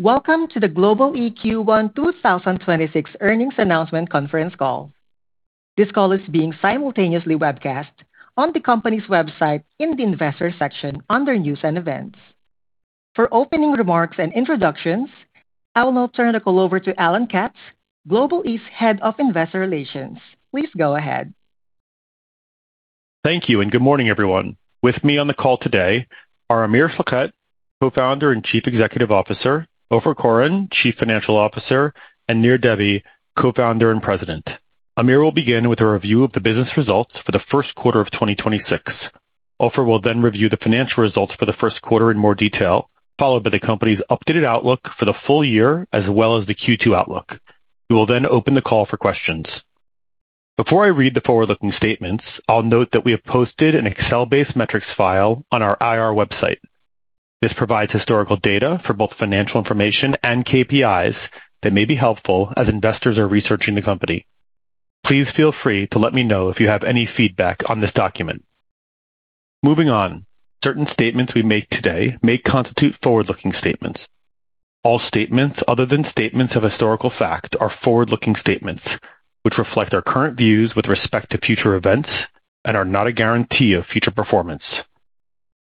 Welcome to the Global-E 2026 earnings announcement conference call. This call is being simultaneously webcast on the company's website in the investor section under New and Events. For opening remarks and introductions, I will now turn the call over to Alan Katz, Global-E's Head of Investor Relations. Please go ahead. Thank you and good morning, everyone. With me on the call today are Amir Schlachet, Co-founder and Chief Executive Officer, Ofer Koren, Chief Financial Officer, and Nir Debbi, Co-founder and President. Amir will begin with a review of the business results for the first quarter of 2026. Ofer will then review the financial results for the first quarter in more detail, followed by the company's updated outlook for the full year as well as the Q2 outlook. We will then open the call for questions. Before I read the forward-looking statements, I'll note that we have posted an Excel-based metrics file on our IR website. This provides historical data for both financial information and KPIs that may be helpful as investors are researching the company. Please feel free to let me know if you have any feedback on this document. Moving on, certain statements we make today may constitute forward-looking statements. All statements other than statements of historical fact are forward-looking statements which reflect our current views with respect to future events and are not a guarantee of future performance.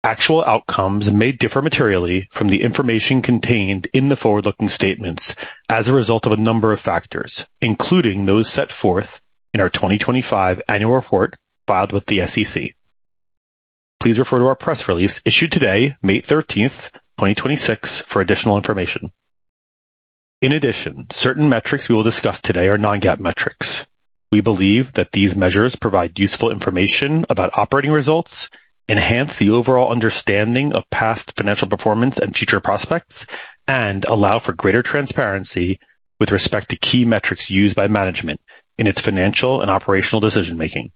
Actual outcomes may differ materially from the information contained in the forward-looking statements as a result of a number of factors, including those set forth in our 2025 annual report filed with the SEC. Please refer to our press release issued today, May 13th, 2026 for additional information. In addition, certain metrics we will discuss today are Non-GAAP metrics. We believe that these measures provide useful information about operating results, enhance the overall understanding of past financial performance and future prospects, and allow for greater transparency with respect to key metrics used by management in its financial and operational decision making.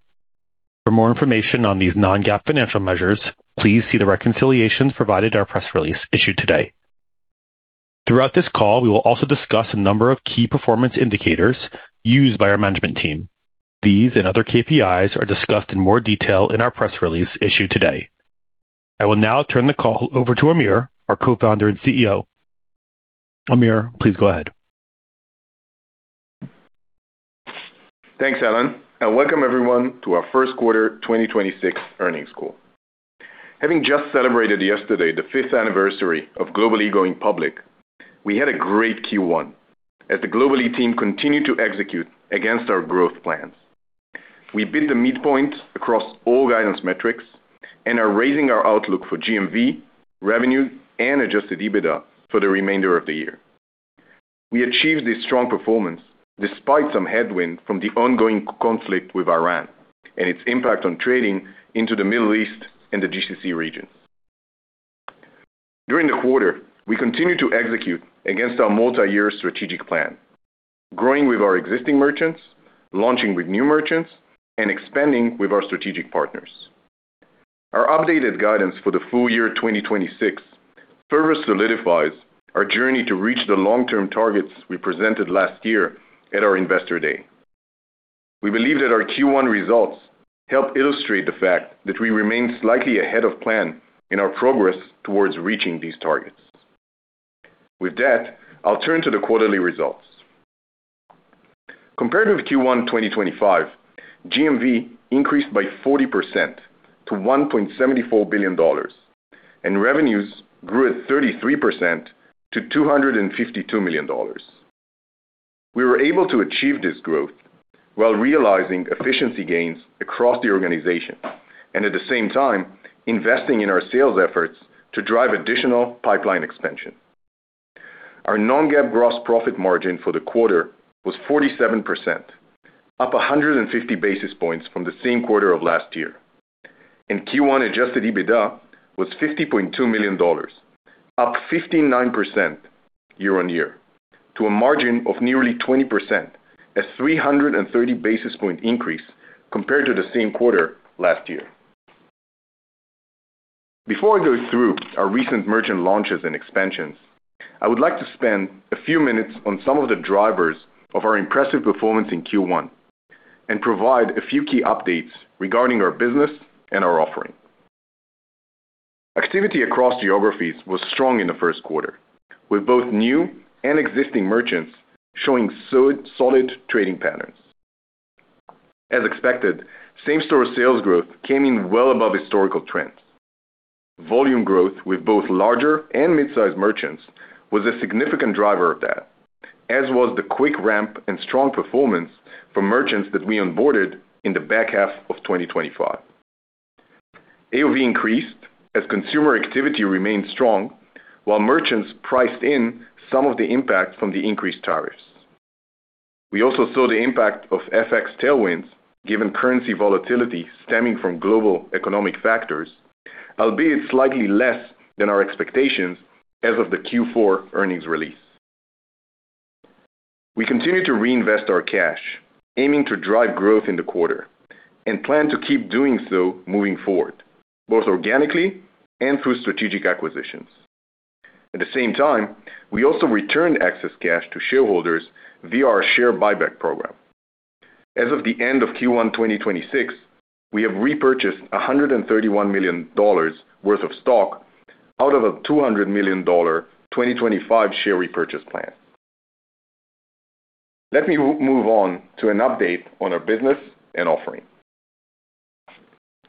For more information on these Non-GAAP financial measures, please see the reconciliations provided in our press release issued today. Throughout this call, we will also discuss a number of key performance indicators used by our management team. These and other KPIs are discussed in more detail in our press release issued today. I will now turn the call over to Amir, our co-founder and Chief Executive Officer. Amir, please go ahead. Thanks, Alan, and welcome everyone to our first quarter 2026 earnings call. Having just celebrated yesterday the fifth anniversary of Global-E going public, we had a great Q1 as the Global-E team continued to execute against our growth plans. We beat the midpoint across all guidance metrics and are raising our outlook for GMV, revenue, and adjusted EBITDA for the remainder of the year. We achieved this strong performance despite some headwind from the ongoing conflict with Iran and its impact on trading into the Middle East and the GCC region. During the quarter, we continued to execute against our multi-year strategic plan, growing with our existing merchants, launching with new merchants, and expanding with our strategic partners. Our updated guidance for the full year 2026 further solidifies our journey to reach the long-term targets we presented last year at our Investor Day. We believe that our Q1 results help illustrate the fact that we remain slightly ahead of plan in our progress towards reaching these targets. With that, I'll turn to the quarterly results. Compared with Q1 2025, GMV increased by 40% to $1.74 billion, and revenues grew at 33% to $252 million. We were able to achieve this growth while realizing efficiency gains across the organization and at the same time investing in our sales efforts to drive additional pipeline expansion. Our non-GAAP gross profit margin for the quarter was 47%, up 150 basis points from the same quarter of last year. Q1 adjusted EBITDA was $50.2 million, up 59% year-on-year to a margin of nearly 20%, a 330 basis points increase compared to the same quarter last year. Before I go through our recent merchant launches and expansions, I would like to spend a few minutes on some of the drivers of our impressive performance in Q1 and provide a few key updates regarding our business and our offering. Activity across geographies was strong in the first quarter, with both new and existing merchants showing solid trading patterns. As expected, same-store sales growth came in well above historical trends. Volume growth with both larger and mid-sized merchants was a significant driver of that, as was the quick ramp and strong performance for merchants that we onboarded in the back half of 2025. AOV increased as consumer activity remained strong while merchants priced in some of the impact from the increased tariffs. We also saw the impact of FX tailwinds given currency volatility stemming from global economic factors, albeit slightly less than our expectations as of the Q4 earnings release. We continue to reinvest our cash, aiming to drive growth in the quarter, and plan to keep doing so moving forward, both organically and through strategic acquisitions. At the same time, we also returned excess cash to shareholders via our share buyback program. As of the end of Q1 2026, we have repurchased $131 million worth of stock out of a $200 million 2025 share repurchase plan. Let me move on to an update on our business and offering.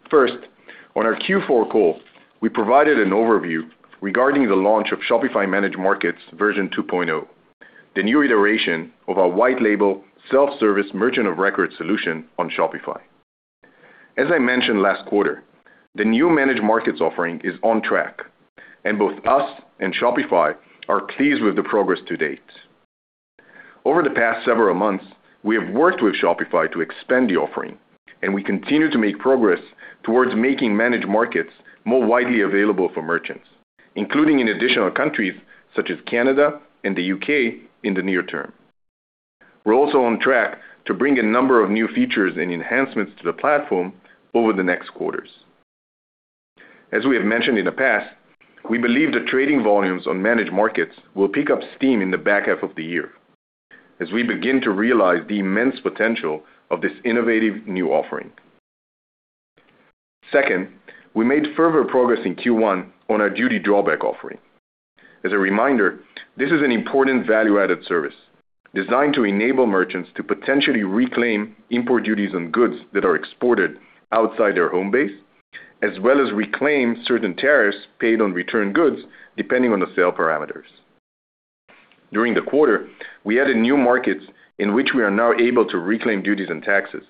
First, on our Q4 call, we provided an overview regarding the launch of Shopify Managed Markets version 2.0, the new iteration of our white label self-service merchant of record solution on Shopify. As I mentioned last quarter, the new Managed Markets offering is on track, and both us and Shopify are pleased with the progress to date. Over the past several months, we have worked with Shopify to expand the offering, and we continue to make progress towards making Managed Markets more widely available for merchants, including in additional countries such as Canada and the U.K. in the near term. We're also on track to bring a number of new features and enhancements to the platform over the next quarters. As we have mentioned in the past, we believe the trading volumes on Managed Markets will pick up steam in the back half of the year as we begin to realize the immense potential of this innovative new offering. We made further progress in Q1 on our duty drawback offering. As a reminder, this is an important value-added service designed to enable merchants to potentially reclaim import duties on goods that are exported outside their home base, as well as reclaim certain tariffs paid on returned goods, depending on the sale parameters. During the quarter, we added new markets in which we are now able to reclaim duties and taxes,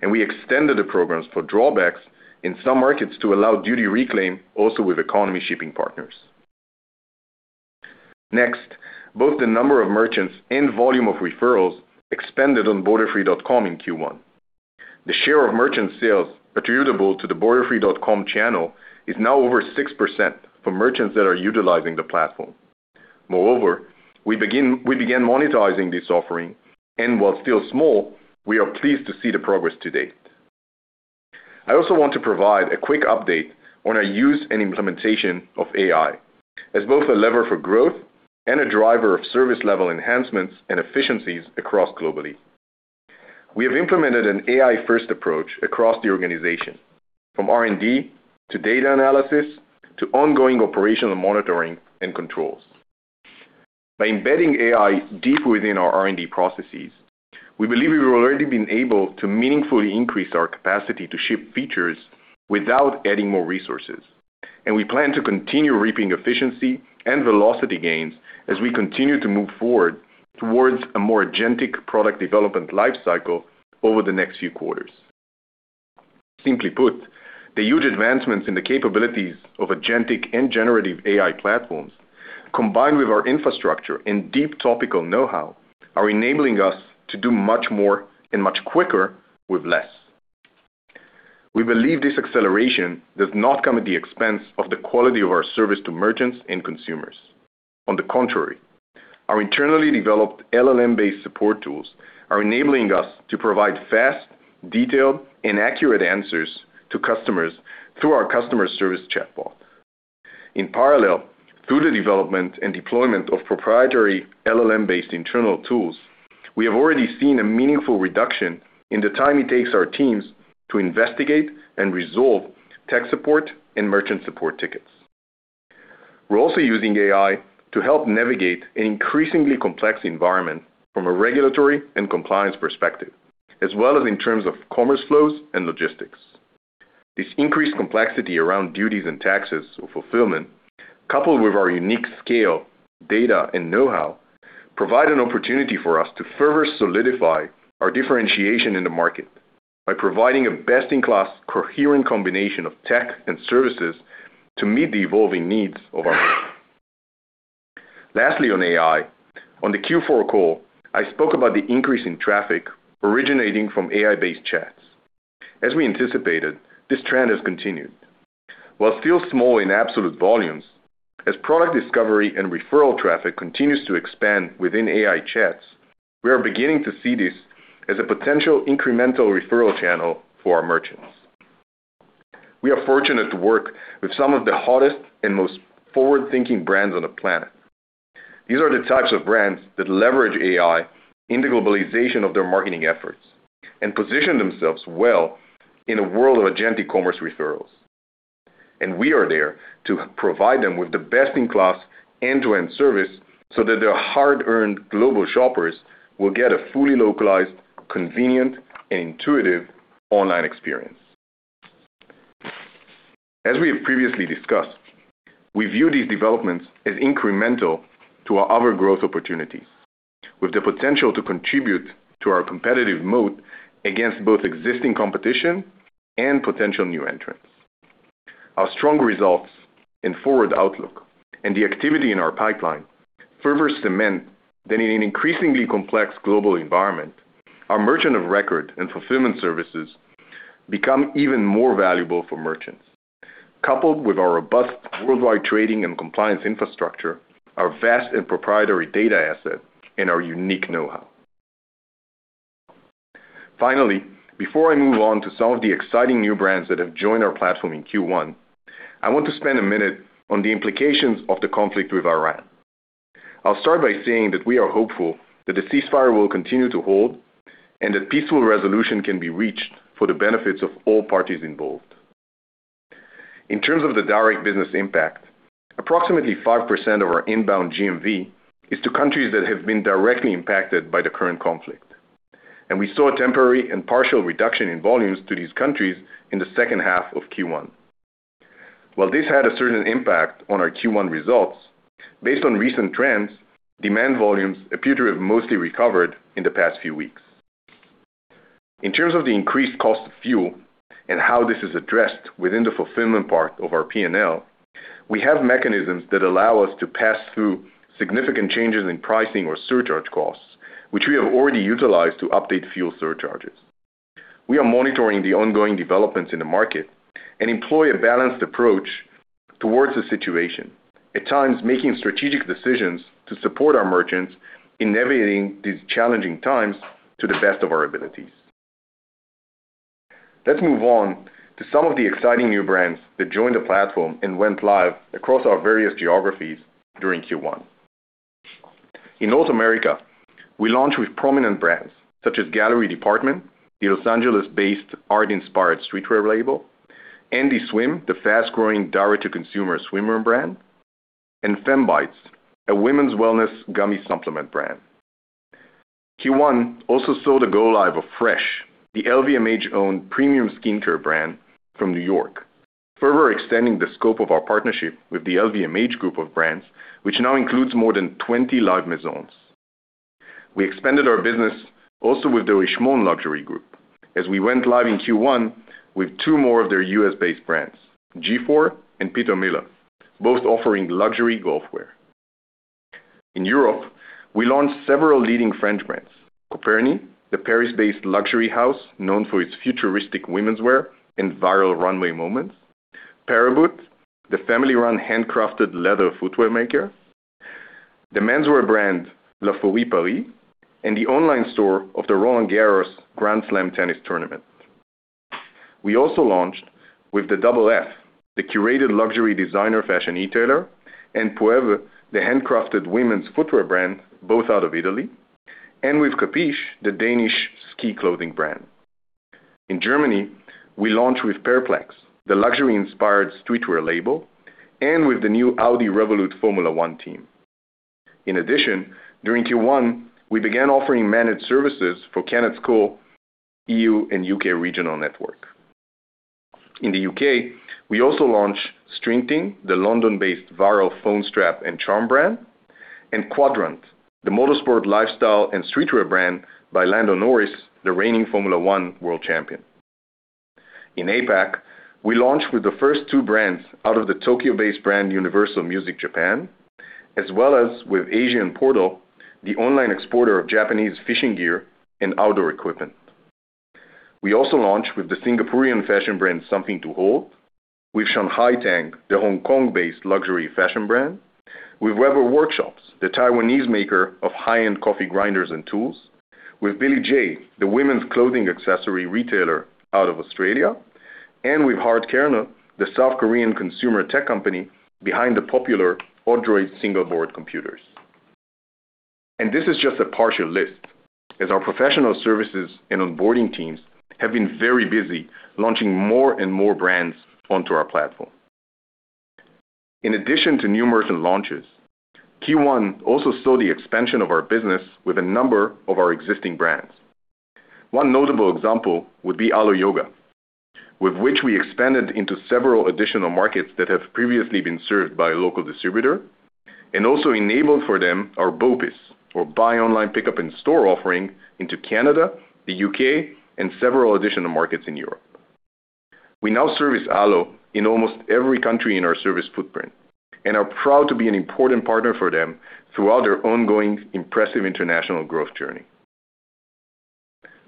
and we extended the programs for drawbacks in some markets to allow duty reclaim also with economy shipping partners. Both the number of merchants and volume of referrals expanded on Borderfree.com in Q1. The share of merchant sales attributable to the Borderfree.com channel is now over 6% for merchants that are utilizing the platform. We began monetizing this offering, and while still small, we are pleased to see the progress to date. I also want to provide a quick update on our use and implementation of AI as both a lever for growth and a driver of service level enhancements and efficiencies across Global-E. We have implemented an AI-first approach across the organization, from R&D to data analysis to ongoing operational monitoring and controls. By embedding AI deep within our R&D processes, we believe we've already been able to meaningfully increase our capacity to ship features without adding more resources. We plan to continue reaping efficiency and velocity gains as we continue to move forward towards a more agentic product development life cycle over the next few quarters. Simply put, the huge advancements in the capabilities of agentic and generative AI platforms, combined with our infrastructure and deep topical know-how, are enabling us to do much more and much quicker with less. We believe this acceleration does not come at the expense of the quality of our service to merchants and consumers. On the contrary, our internally developed LLM-based support tools are enabling us to provide fast, detailed, and accurate answers to customers through our customer service chatbot. In parallel, through the development and deployment of proprietary LLM-based internal tools, we have already seen a meaningful reduction in the time it takes our teams to investigate and resolve tech support and merchant support tickets. We're also using AI to help navigate an increasingly complex environment from a regulatory and compliance perspective, as well as in terms of commerce flows and logistics. This increased complexity around duties and taxes or fulfillment, coupled with our unique scale, data, and know-how, provide an opportunity for us to further solidify our differentiation in the market by providing a best-in-class coherent combination of tech and services to meet the evolving needs of our customers. On AI, on the Q4 call, I spoke about the increase in traffic originating from AI-based chats. As we anticipated, this trend has continued. While still small in absolute volumes, as product discovery and referral traffic continues to expand within AI chats, we are beginning to see this as a potential incremental referral channel for our merchants. We are fortunate to work with some of the hottest and most forward-thinking brands on the planet. These are the types of brands that leverage AI in the globalization of their marketing efforts and position themselves well in a world of agentic commerce referrals. We are there to provide them with the best-in-class end-to-end service so that their hard-earned global shoppers will get a fully localized, convenient, and intuitive online experience. As we have previously discussed, we view these developments as incremental to our other growth opportunities with the potential to contribute to our competitive moat against both existing competition and potential new entrants. Our strong results and forward outlook and the activity in our pipeline further cement that in an increasingly complex global environment, our merchant of record and fulfillment services become even more valuable for merchants, coupled with our robust worldwide trading and compliance infrastructure, our vast and proprietary data asset, and our unique know-how. Before I move on to some of the exciting new brands that have joined our platform in Q1, I want to spend a minute on the implications of the conflict with Iran. I'll start by saying that we are hopeful that the ceasefire will continue to hold and that peaceful resolution can be reached for the benefits of all parties involved. In terms of the direct business impact, approximately 5% of our inbound GMV is to countries that have been directly impacted by the current conflict, and we saw a temporary and partial reduction in volumes to these countries in the second half of Q1. While this had a certain impact on our Q1 results, based on recent trends, demand volumes appear to have mostly recovered in the past few weeks. In terms of the increased cost of fuel and how this is addressed within the fulfillment part of our P&L, we have mechanisms that allow us to pass through significant changes in pricing or surcharge costs, which we have already utilized to update fuel surcharges. We are monitoring the ongoing developments in the market and employ a balanced approach towards the situation, at times making strategic decisions to support our merchants in navigating these challenging times to the best of our abilities. Let's move on to some of the exciting new brands that joined the platform and went live across our various geographies during Q1. In North America, we launched with prominent brands such as Gallery Dept., the Los Angeles-based art-inspired streetwear label, Andie, the fast-growing direct-to-consumer swimwear brand, and Femi Bites, a women's wellness gummy supplement brand. Q1 also saw the go live of Fresh, the LVMH-owned premium skincare brand from New York, further extending the scope of our partnership with the LVMH group of brands, which now includes more than 20 live maisons. We expanded our business also with the Richemont Luxury Group as we went live in Q1 with two more of their U.S.-based brands, G/FORE and Peter Millar, both offering luxury golf wear. In Europe, we launched several leading French brands, Coperni, the Paris-based luxury house known for its futuristic womenswear and viral runway moments, Paraboot, the family-run handcrafted leather footwear maker, the menswear brand, Lafaurie Paris, and the online store of the Roland-Garros Grand Slam tennis tournament. We also launched with TheDoubleF, the curated luxury designer fashion e-tailer, and Pèpè, the handcrafted women's footwear brand, both out of Italy, and with Capeesh, the Danish ski clothing brand. In Germany, we launched with Perplex, the luxury-inspired streetwear label, and with the new Audi Revolut F1 Team. In addition, during Q1, we began offering managed services for Kenneth Cole EU and U.K. regional network. In the U.K., we also launched String Ting, the London-based viral phone strap and charm brand, and Quadrant, the motorsport lifestyle and streetwear brand by Lando Norris, the reigning Formula One world champion. In APAC, we launched with the first two brands out of the Tokyo-based brand, Universal Music Japan, as well as with Asian Portal Fishing, the online exporter of Japanese fishing gear and outdoor equipment. We also launched with the Singaporean fashion brand, Something To Hold, with Shanghai Tang, the Hong Kong-based luxury fashion brand, with Weber Workshops, the Taiwanese maker of high-end coffee grinders and tools, with Billy J, the women's clothing accessory retailer out of Australia, and with Hardkernel, the South Korean consumer tech company behind the popular ODROID single board computers. This is just a partial list as our professional services and onboarding teams have been very busy launching more and more brands onto our platform. In addition to numerous launches, Q1 also saw the expansion of our business with a number of our existing brands. One notable example would be Alo Yoga, with which we expanded into several additional markets that have previously been served by a local distributor and also enabled for them our BOPIS or buy online pickup in store offering into Canada, the U.K., and several additional markets in Europe. We now service Alo Yoga in almost every country in our service footprint and are proud to be an important partner for them throughout their ongoing impressive international growth journey.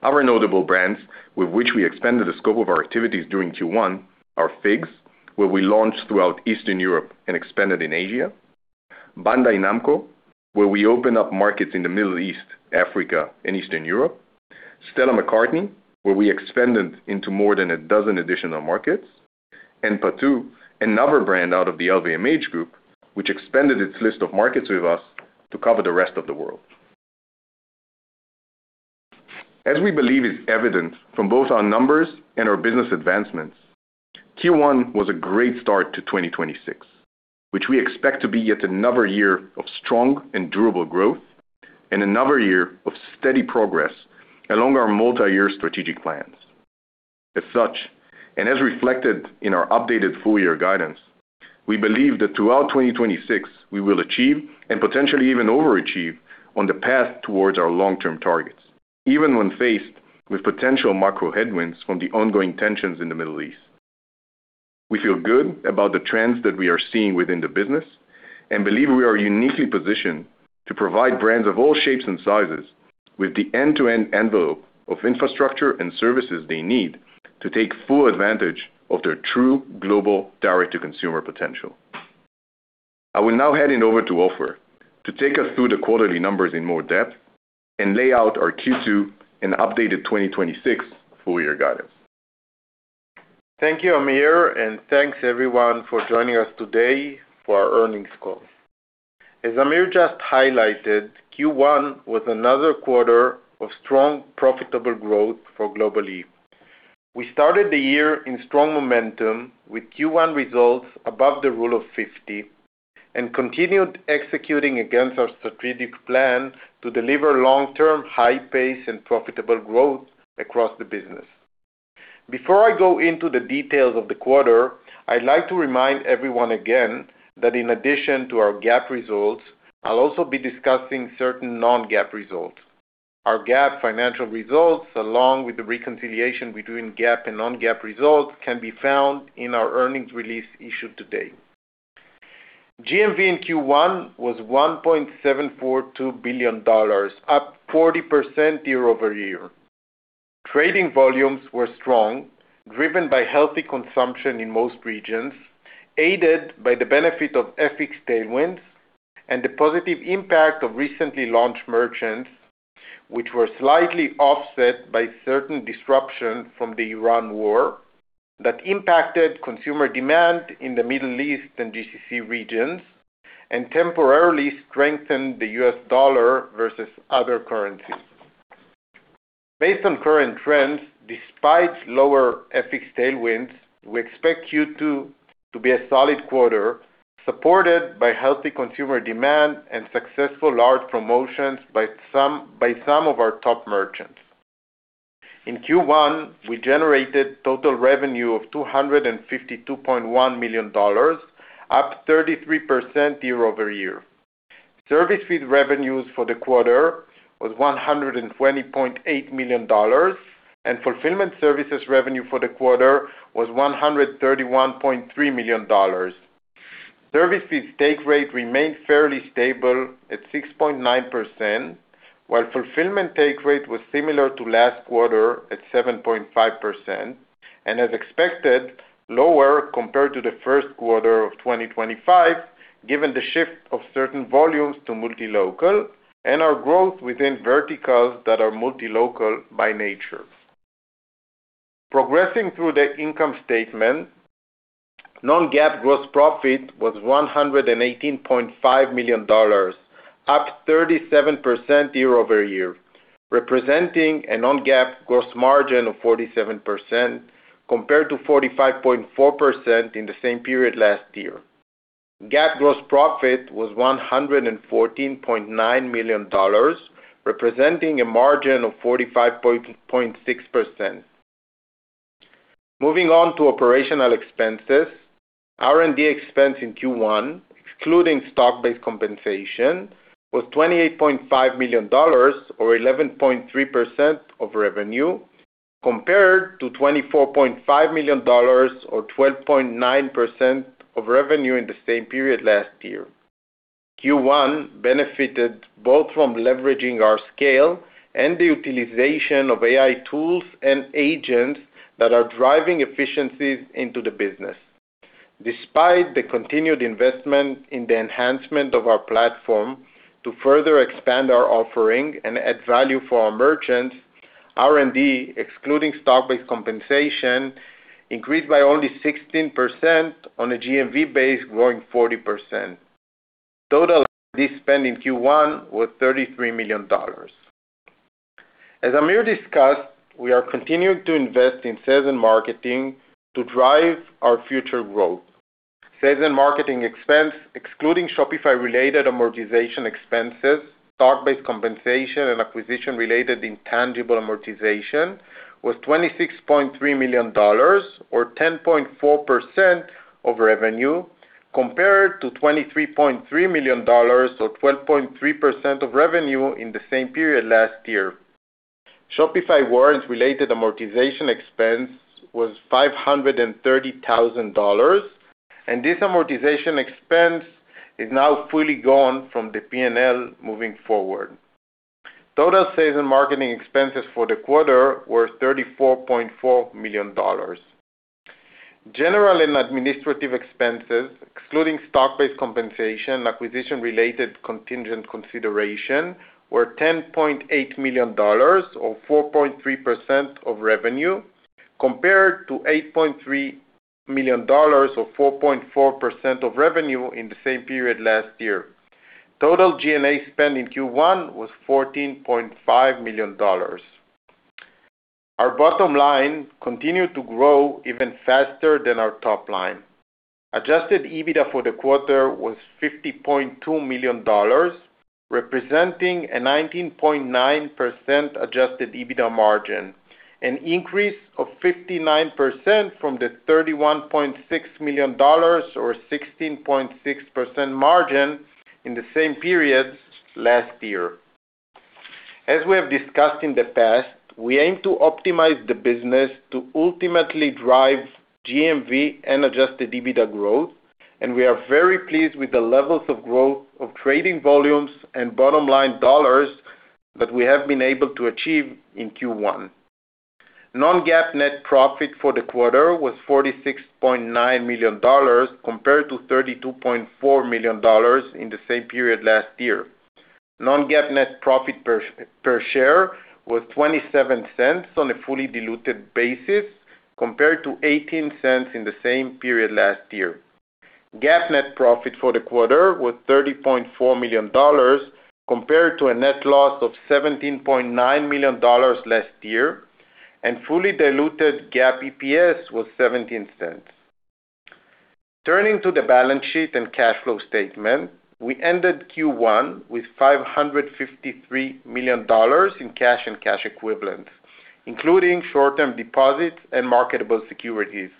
Other notable brands with which we expanded the scope of our activities during Q1 are FIGS, where we launched throughout Eastern Europe and expanded in Asia, Bandai Namco, where we opened up markets in the Middle East, Africa, and Eastern Europe, Stella McCartney, where we expanded into more than a dozen additional markets, and Patou, another brand out of the LVMH group, which expanded its list of markets with us to cover the rest of the world. As we believe is evident from both our numbers and our business advancements, Q1 was a great start to 2026, which we expect to be yet another year of strong and durable growth and another year of steady progress along our multi-year strategic plans. As such, and as reflected in our updated full year guidance, we believe that throughout 2026 we will achieve and potentially even overachieve on the path towards our long-term targets, even when faced with potential macro headwinds from the ongoing tensions in the Middle East. We feel good about the trends that we are seeing within the business and believe we are uniquely positioned to provide brands of all shapes and sizes with the end-to-end envelope of infrastructure and services they need to take full advantage of their true global direct-to-consumer potential. I will now hand it over to Ofer to take us through the quarterly numbers in more depth and lay out our Q2 and updated 2026 full year guidance. Thank you, Amir, and thanks everyone for joining us today for our earnings call. As Amir just highlighted, Q1 was another quarter of strong, profitable growth for Global-E. We started the year in strong momentum with Q1 results above the Rule of 50 and continued executing against our strategic plan to deliver long-term, high pace, and profitable growth across the business. Before I go into the details of the quarter, I'd like to remind everyone again that in addition to our GAAP results, I'll also be discussing certain Non-GAAP results. Our GAAP financial results, along with the reconciliation between GAAP and Non-GAAP results, can be found in our earnings release issued today. GMV in Q1 was $1.742 billion, up 40% year-over-year. Trading volumes were strong, driven by healthy consumption in most regions, aided by the benefit of FX tailwinds and the positive impact of recently launched merchants, which were slightly offset by certain disruptions from the Iran war that impacted consumer demand in the Middle East and GCC regions and temporarily strengthened the US dollar versus other currencies. Based on current trends, despite lower FX tailwinds, we expect Q2 to be a solid quarter, supported by healthy consumer demand and successful large promotions by some of our top merchants. In Q1, we generated total revenue of $252.1 million, up 33% year-over-year. Service fee revenues for the quarter was $120.8 million, and fulfillment services revenue for the quarter was $131.3 million. Service fees take rate remained fairly stable at 6.9%, while fulfillment take rate was similar to last quarter at 7.5% and as expected, lower compared to the first quarter of 2025, given the shift of certain volumes to multi-local and our growth within verticals that are multi-local by nature. Progressing through the income statement, Non-GAAP gross profit was $118.5 million, up 37% year-over-year, representing a Non-GAAP gross margin of 47% compared to 45.4% in the same period last year. GAAP gross profit was $114.9 million, representing a margin of 45.6%. Moving on to operational expenses. R&D expense in Q1, excluding stock-based compensation, was $28.5 million or 11.3% of revenue, compared to $24.5 million or 12.9% of revenue in the same period last year. Q1 benefited both from leveraging our scale and the utilization of AI tools and agents that are driving efficiencies into the business. Despite the continued investment in the enhancement of our platform to further expand our offering and add value for our merchants, R&D, excluding stock-based compensation, increased by only 16% on a GMV base growing 40%. Total, this spend in Q1 was $33 million. Amir discussed, we are continuing to invest in sales and marketing to drive our future growth. Sales and marketing expense, excluding Shopify-related amortization expenses, stock-based compensation, and acquisition-related intangible amortization, was $26.3 million or 10.4% of revenue, compared to $23.3 million or 12.3% of revenue in the same period last year. Shopify warrants related amortization expense was $530,000, and this amortization expense is now fully gone from the P&L moving forward. Total sales and marketing expenses for the quarter were $34.4 million. General and administrative expenses, excluding stock-based compensation and acquisition-related contingent consideration, were $10.8 million or 4.3% of revenue, compared to $8.3 million or 4.4% of revenue in the same period last year. Total G&A spend in Q1 was $14.5 million. Our bottom line continued to grow even faster than our top line. Adjusted EBITDA for the quarter was $50.2 million, representing a 19.9% adjusted EBITDA margin, an increase of 59% from the $31.6 million or 16.6% margin in the same period last year. As we have discussed in the past, we aim to optimize the business to ultimately drive GMV and adjusted EBITDA growth, and we are very pleased with the levels of growth of trading volumes and bottom-line dollars that we have been able to achieve in Q1. Non-GAAP net profit for the quarter was $46.9 million compared to $32.4 million in the same period last year. Non-GAAP net profit per share was $0.27 on a fully diluted basis compared to $0.18 in the same period last year. GAAP net profit for the quarter was $30.4 million compared to a net loss of $17.9 million last year, and fully diluted GAAP EPS was $0.17. Turning to the balance sheet and cash flow statement, we ended Q1 with $553 million in cash and cash equivalents, including short-term deposits and marketable securities.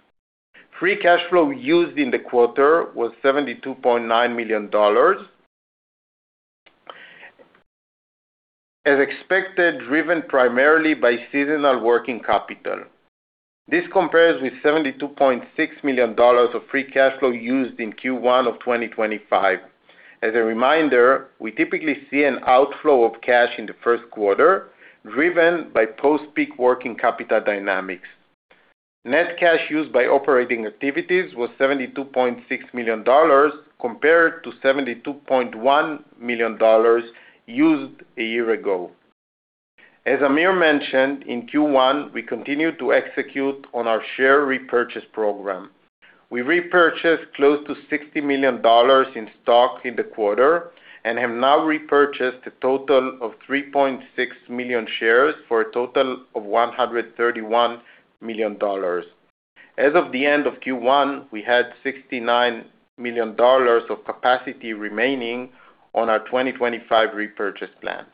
Free cash flow used in the quarter was $72.9 million. As expected, driven primarily by seasonal working capital. This compares with $72.6 million of free cash flow used in Q1 of 2025. As a reminder, we typically see an outflow of cash in the first quarter, driven by post-peak working capital dynamics. Net cash used by operating activities was $72.6 million compared to $72.1 million used a year ago. As Amir mentioned, in Q1, we continued to execute on our share repurchase program. We repurchased close to $60 million in stock in the quarter and have now repurchased a total of 3.6 million shares for a total of $131 million. As of the end of Q1, we had $69 million of capacity remaining on our 2025 repurchase plan.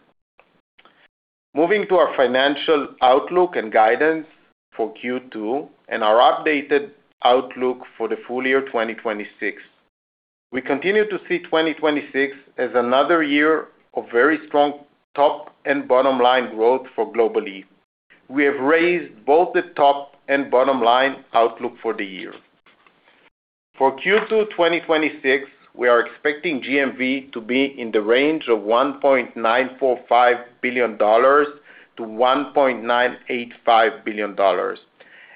Moving to our financial outlook and guidance for Q2 and our updated outlook for the full year 2026. We continue to see 2026 as another year of very strong top and bottom line growth for Global-E. We have raised both the top and bottom line outlook for the year. For Q2 2026, we are expecting GMV to be in the range of $1.945 billion-$1.985 billion.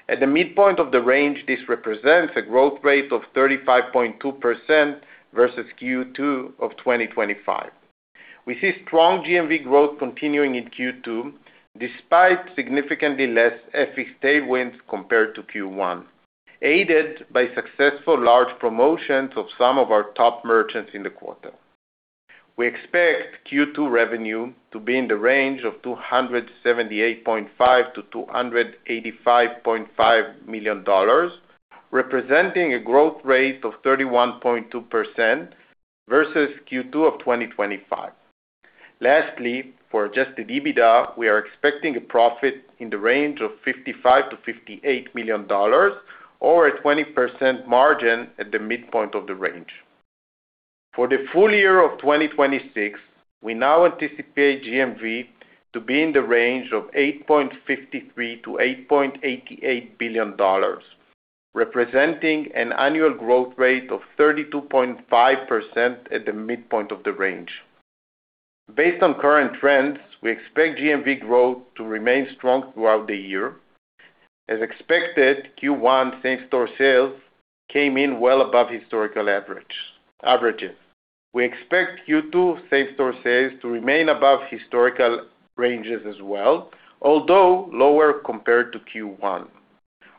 At the midpoint of the range, this represents a growth rate of 35.2% versus Q2 of 2025. We see strong GMV growth continuing in Q2, despite significantly less FX tailwinds compared to Q1, aided by successful large promotions of some of our top merchants in the quarter. We expect Q2 revenue to be in the range of $278.5 million-$285.5 million, representing a growth rate of 31.2% versus Q2 of 2025. Lastly, for adjusted EBITDA, we are expecting a profit in the range of $55 million-$58 million or a 20% margin at the midpoint of the range. For the full year of 2026, we now anticipate GMV to be in the range of $8.53 billion-$8.88 billion, representing an annual growth rate of 32.5% at the midpoint of the range. Based on current trends, we expect GMV growth to remain strong throughout the year. As expected, Q1 same-store sales came in well above historical averages. We expect Q2 same-store sales to remain above historical ranges as well, although lower compared to Q1.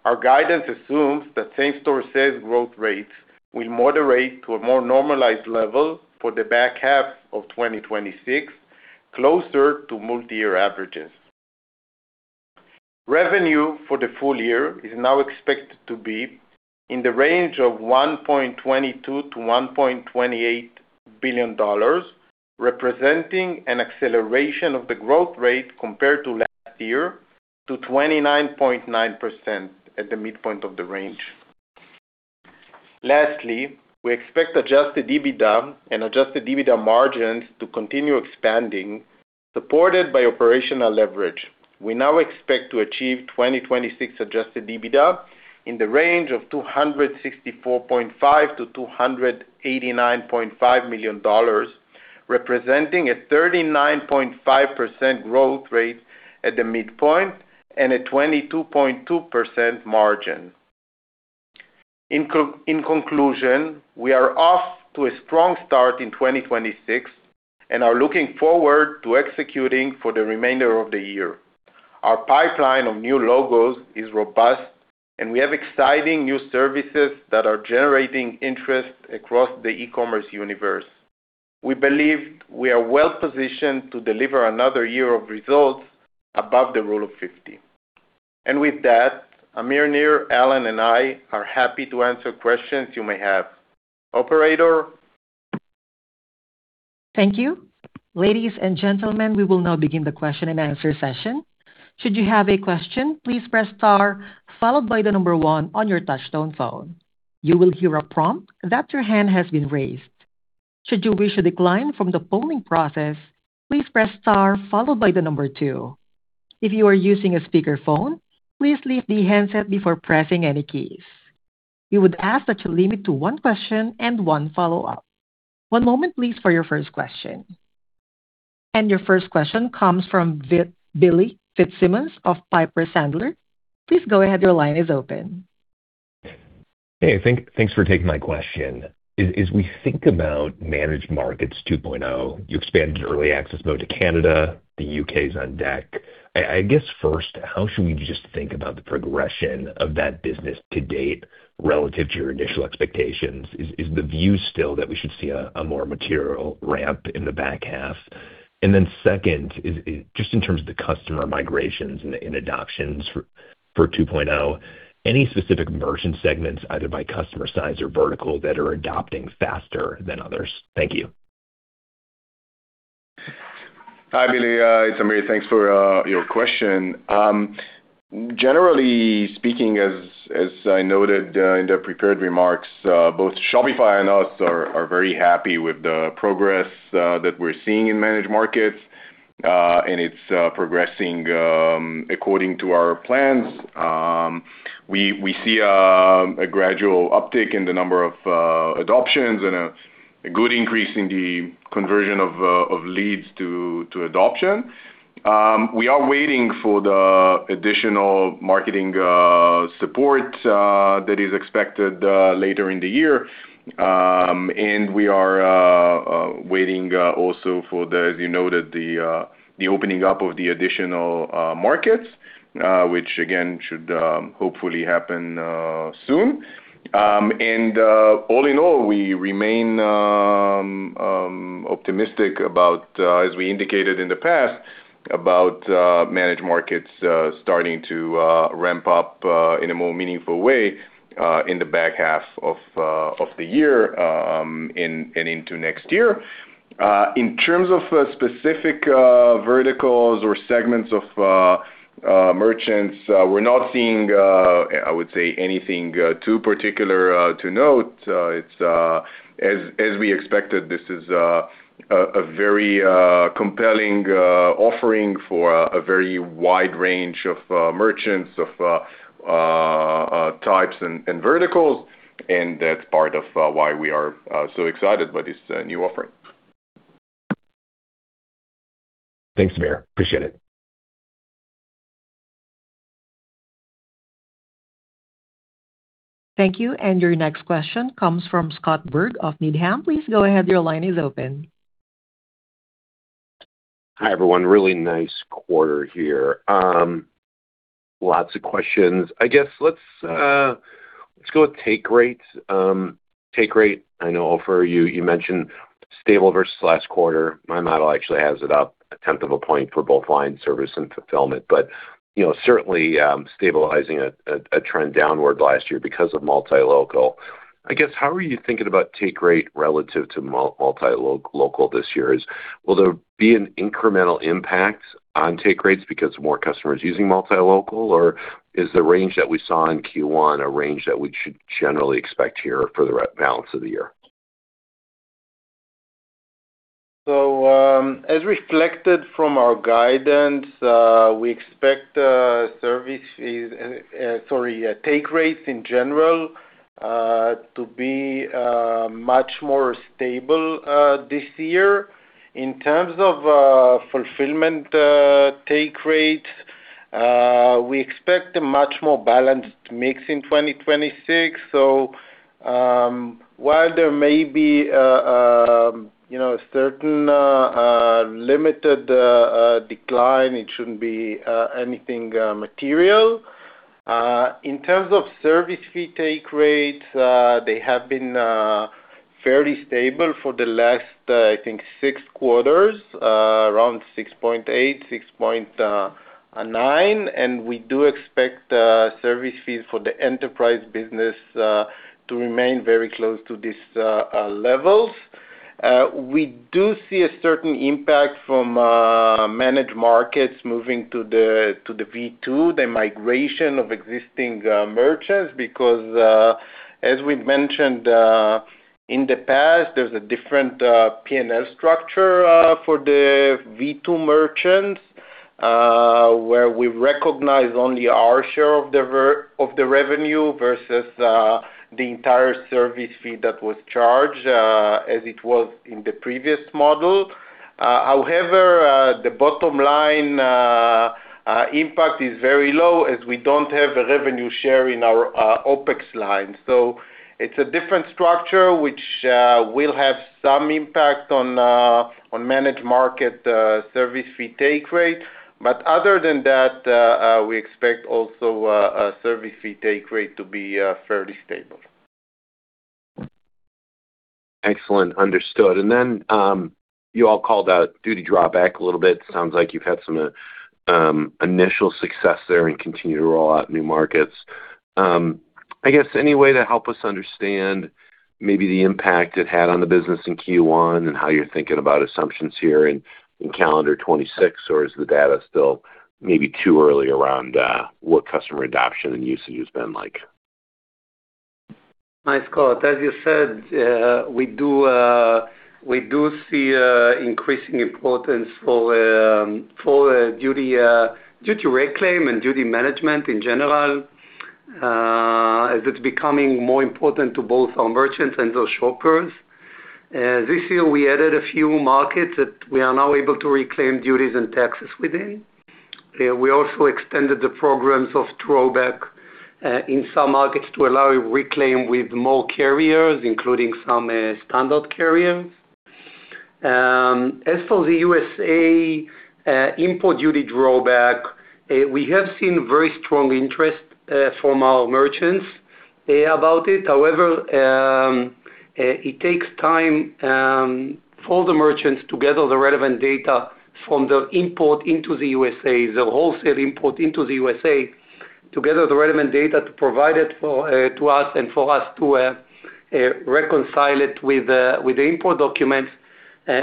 Our guidance assumes that same-store sales growth rates will moderate to a more normalized level for the back half of 2026, closer to multi-year averages. Revenue for the full year is now expected to be in the range of $1.22 billion-$1.28 billion, representing an acceleration of the growth rate compared to last year to 29.9% at the midpoint of the range. Lastly, we expect adjusted EBITDA and adjusted EBITDA margins to continue expanding, supported by operational leverage. We now expect to achieve 2026 adjusted EBITDA in the range of $264.5 million-$289.5 million, representing a 39.5% growth rate at the midpoint and a 22.2% margin. In conclusion, we are off to a strong start in 2026 and are looking forward to executing for the remainder of the year. Our pipeline of new logos is robust, and we have exciting new services that are generating interest across the e-commerce universe. We believe we are well-positioned to deliver another year of results above the Rule of 50. With that, Amir, Nir, Alan, and I are happy to answer questions you may have. Operator. Thank you. Ladies and gentlemen, we will now begin the question and answer session. Should you have a question, please press star followed by the number one on your touch-tone phone. You will hear a prompt that your hand has been raised. Should you wish to decline from the polling process, please press star followed by the number two. If you are using a speakerphone, please leave the handset before pressing any keys. We would ask that you limit to one question and one follow-up. One moment please for your first question. Your first question comes from Billy Fitzsimmons of Piper Sandler. Please go ahead. Your line is open. Hey, thanks for taking my question. As we think about Managed Markets 2.0, you expanded your early access mode to Canada, the U.K. is on deck. I guess first, how should we just think about the progression of that business to date relative to your initial expectations? Is the view still that we should see a more material ramp in the back half? Second, just in terms of the customer migrations and adoptions for 2.0, any specific merchant segments, either by customer size or vertical that are adopting faster than others? Thank you. Hi, Billy. It's Amir. Thanks for your question. Generally speaking, as I noted in the prepared remarks, both Shopify and us are very happy with the progress that we're seeing in Managed Markets, and it's progressing according to our plans. We see a gradual uptick in the number of adoptions and a good increase in the conversion of leads to adoption. We are waiting for the additional marketing support that is expected later in the year. We are waiting also for the, as you noted, the opening up of the additional markets, which again should hopefully happen soon. All in all, we remain optimistic about, as we indicated in the past, about Managed Markets starting to ramp up in a more meaningful way in the back half of the year, in and into next year. In terms of specific verticals or segments of merchants, we're not seeing, I would say, anything too particular to note. It's as we expected, this is a very compelling offering for a very wide range of merchants, of types and verticals, and that's part of why we are so excited by this new offering. Thanks, Amir. Appreciate it. Thank you. Your next question comes from Scott Berg of Needham. Please go ahead, your line is open. Hi, everyone. Really nice quarter here. Lots of questions. I guess let's go with take rates. Take rate, I know Ofer, you mentioned stable versus last quarter. My model actually has it up 0.1 of a point for both line service and fulfillment. You know, certainly, stabilizing a trend downward last year because of multi-local. I guess, how are you thinking about take rate relative to multi-local this year? Will there be an incremental impact on take rates because more customers using multi-local? Is the range that we saw in Q1 a range that we should generally expect here for the balance of the year? As reflected from our guidance, we expect service fees, sorry, take rates in general, to be much more stable this year. In terms of fulfillment take rates, we expect a much more balanced mix in 2026. While there may be a, you know, a certain limited decline, it shouldn't be anything material. In terms of service fee take rates, they have been fairly stable for the last, I think six quarters, around 6.8, 6.9. We do expect service fees for the enterprise business to remain very close to these levels. We do see a certain impact from Managed Markets moving to the V2, the migration of existing merchants, because as we've mentioned in the past, there's a different P&L structure for the V2 merchants, where we recognize only our share of the revenue versus the entire service fee that was charged as it was in the previous model. However, the bottom line impact is very low as we don't have a revenue share in our OpEx line. It's a different structure which will have some impact on Managed Market service fee take rate. Other than that we expect also a service fee take rate to be fairly stable. Excellent. Understood. You all called out duty drawback a little bit. Sounds like you've had some initial success there and continue to roll out new markets. I guess any way to help us understand maybe the impact it had on the business in Q1 and how you're thinking about assumptions here in calendar 2026? Is the data still maybe too early around what customer adoption and usage has been like? Hi, Scott. As you said, we do see increasing importance for duty reclaim and duty management in general, as it's becoming more important to both our merchants and those shoppers. This year we added a few markets that we are now able to reclaim duties and taxes within. We also extended the programs of duty drawback in some markets to allow reclaim with more carriers, including some standard carriers. As for the U.S.A. import duty drawback, we have seen very strong interest from our merchants about it. However, it takes time for the merchants to gather the relevant data from the import into the U.S.A., the wholesale import into the U.S.A., to gather the relevant data to provide it for to us and for us to reconcile it with with the import documents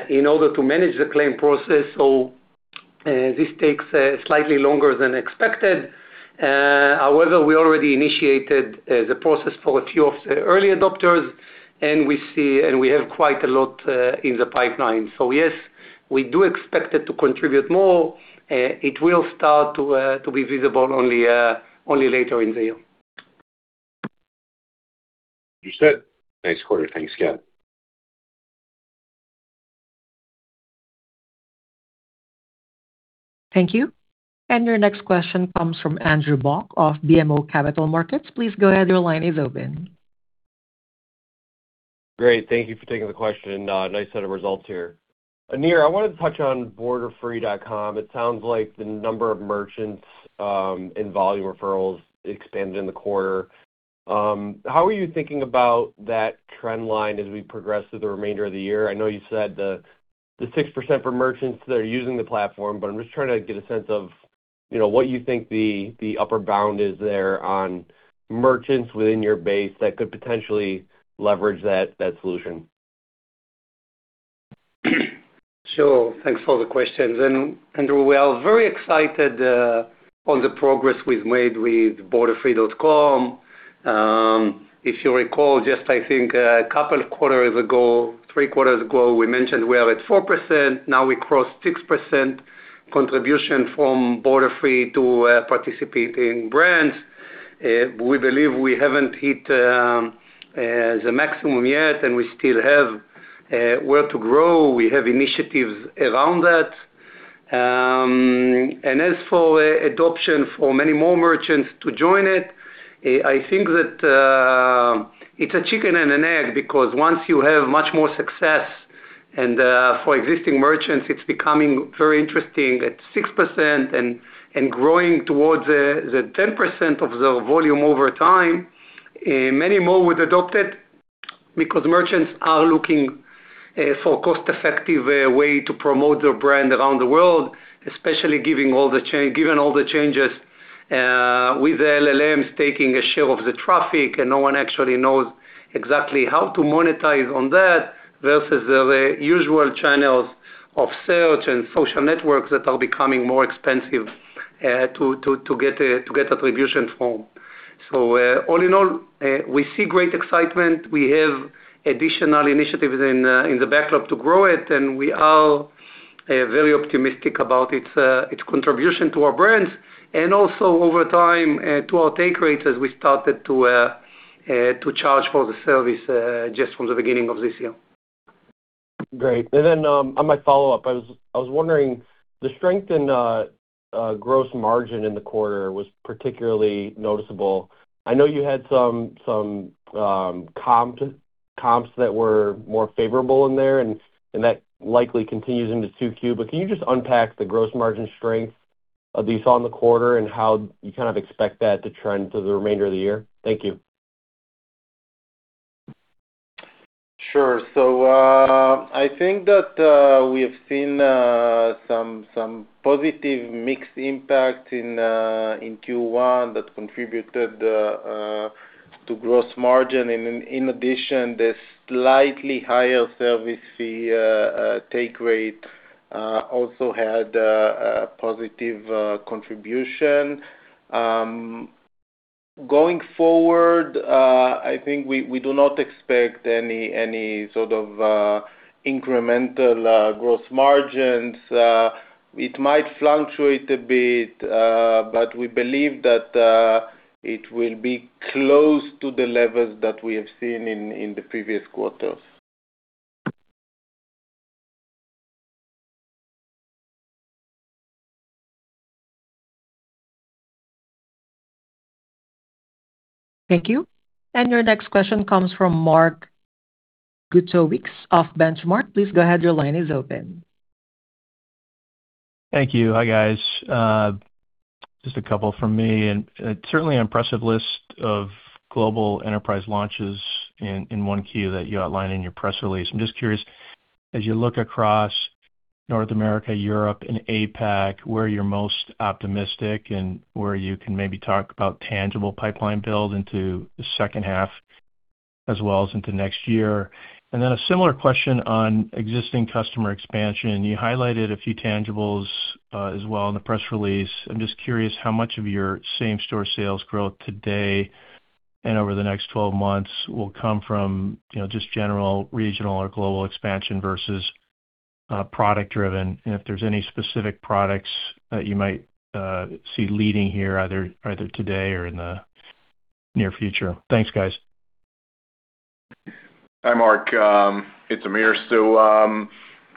in order to manage the claim process. This takes slightly longer than expected. However, we already initiated the process for a few of the early adopters, and we have quite a lot in the pipeline. Yes, we do expect it to contribute more. It will start to be visible only later in the year. Understood. Nice quarter. Thanks, Nir. Thank you. Your next question comes from Andrew Bauch of BMO Capital Markets. Please go ahead, your line is open. Great. Thank you for taking the question. Nice set of results here. Nir, I wanted to touch on Borderfree. It sounds like the number of merchants and volume referrals expanded in the quarter. How are you thinking about that trend line as we progress through the remainder of the year? I know you said the 6% for merchants that are using the platform, but I'm just trying to get a sense of, you know, what you think the upper bound is there on merchants within your base that could potentially leverage that solution. Sure. Thanks for the questions. Andrew, we are very excited on the progress we've made with borderfree.com. If you recall, just I think a couple of quarters ago, three quarters ago, we mentioned we are at 4%, now we crossed 6% contribution from Borderfree to participating brands. We believe we haven't hit the maximum yet, and we still have where to grow. We have initiatives around that. As for adoption for many more merchants to join it, I think that it's a chicken and an egg because once you have much more success and for existing merchants, it's becoming very interesting at 6% and growing towards the 10% of the volume over time. Many more would adopt it because merchants are looking for cost-effective way to promote their brand around the world, especially given all the changes with the LLMs taking a share of the traffic, and no one actually knows exactly how to monetize on that versus the usual channels of search and social networks that are becoming more expensive to get attribution from. All in all, we see great excitement. We have additional initiatives in the backlog to grow it, and we are very optimistic about its contribution to our brands, and also over time, to our take rates as we started to charge for the service just from the beginning of this year. Great. On my follow-up, I was wondering, the strength in gross margin in the quarter was particularly noticeable. I know you had some comps that were more favorable in there, and that likely continues into 2Q. Can you just unpack the gross margin strength you saw in the quarter and how you kind of expect that to trend through the remainder of the year? Thank you. Sure. I think that we have seen some positive mixed impact in Q1 that contributed to gross margin. In addition, the slightly higher service fee take rate also had a positive contribution. Going forward, I think we do not expect any sort of incremental gross margins. It might fluctuate a bit, but we believe that it will be close to the levels that we have seen in the previous quarters. Thank you. Your next question comes from Mark Zgutowicz of The Benchmark Company. Please go ahead, your line is open. Thank you. Hi, guys. Just a couple from me. Certainly impressive list of global enterprise launches in 1Q that you outlined in your press release. I'm just curious, as you look across North America, Europe and APAC, where you're most optimistic and where you can maybe talk about tangible pipeline build into the second half as well as into next year. Then a similar question on existing customer expansion. You highlighted a few tangibles as well in the press release. I'm just curious how much of your same-store sales growth today and over the next 12 months will come from, you know, just general regional or global expansion versus product driven, and if there's any specific products that you might see leading here either today or in the near future. Thanks, guys. Hi, Mark. It's Amir.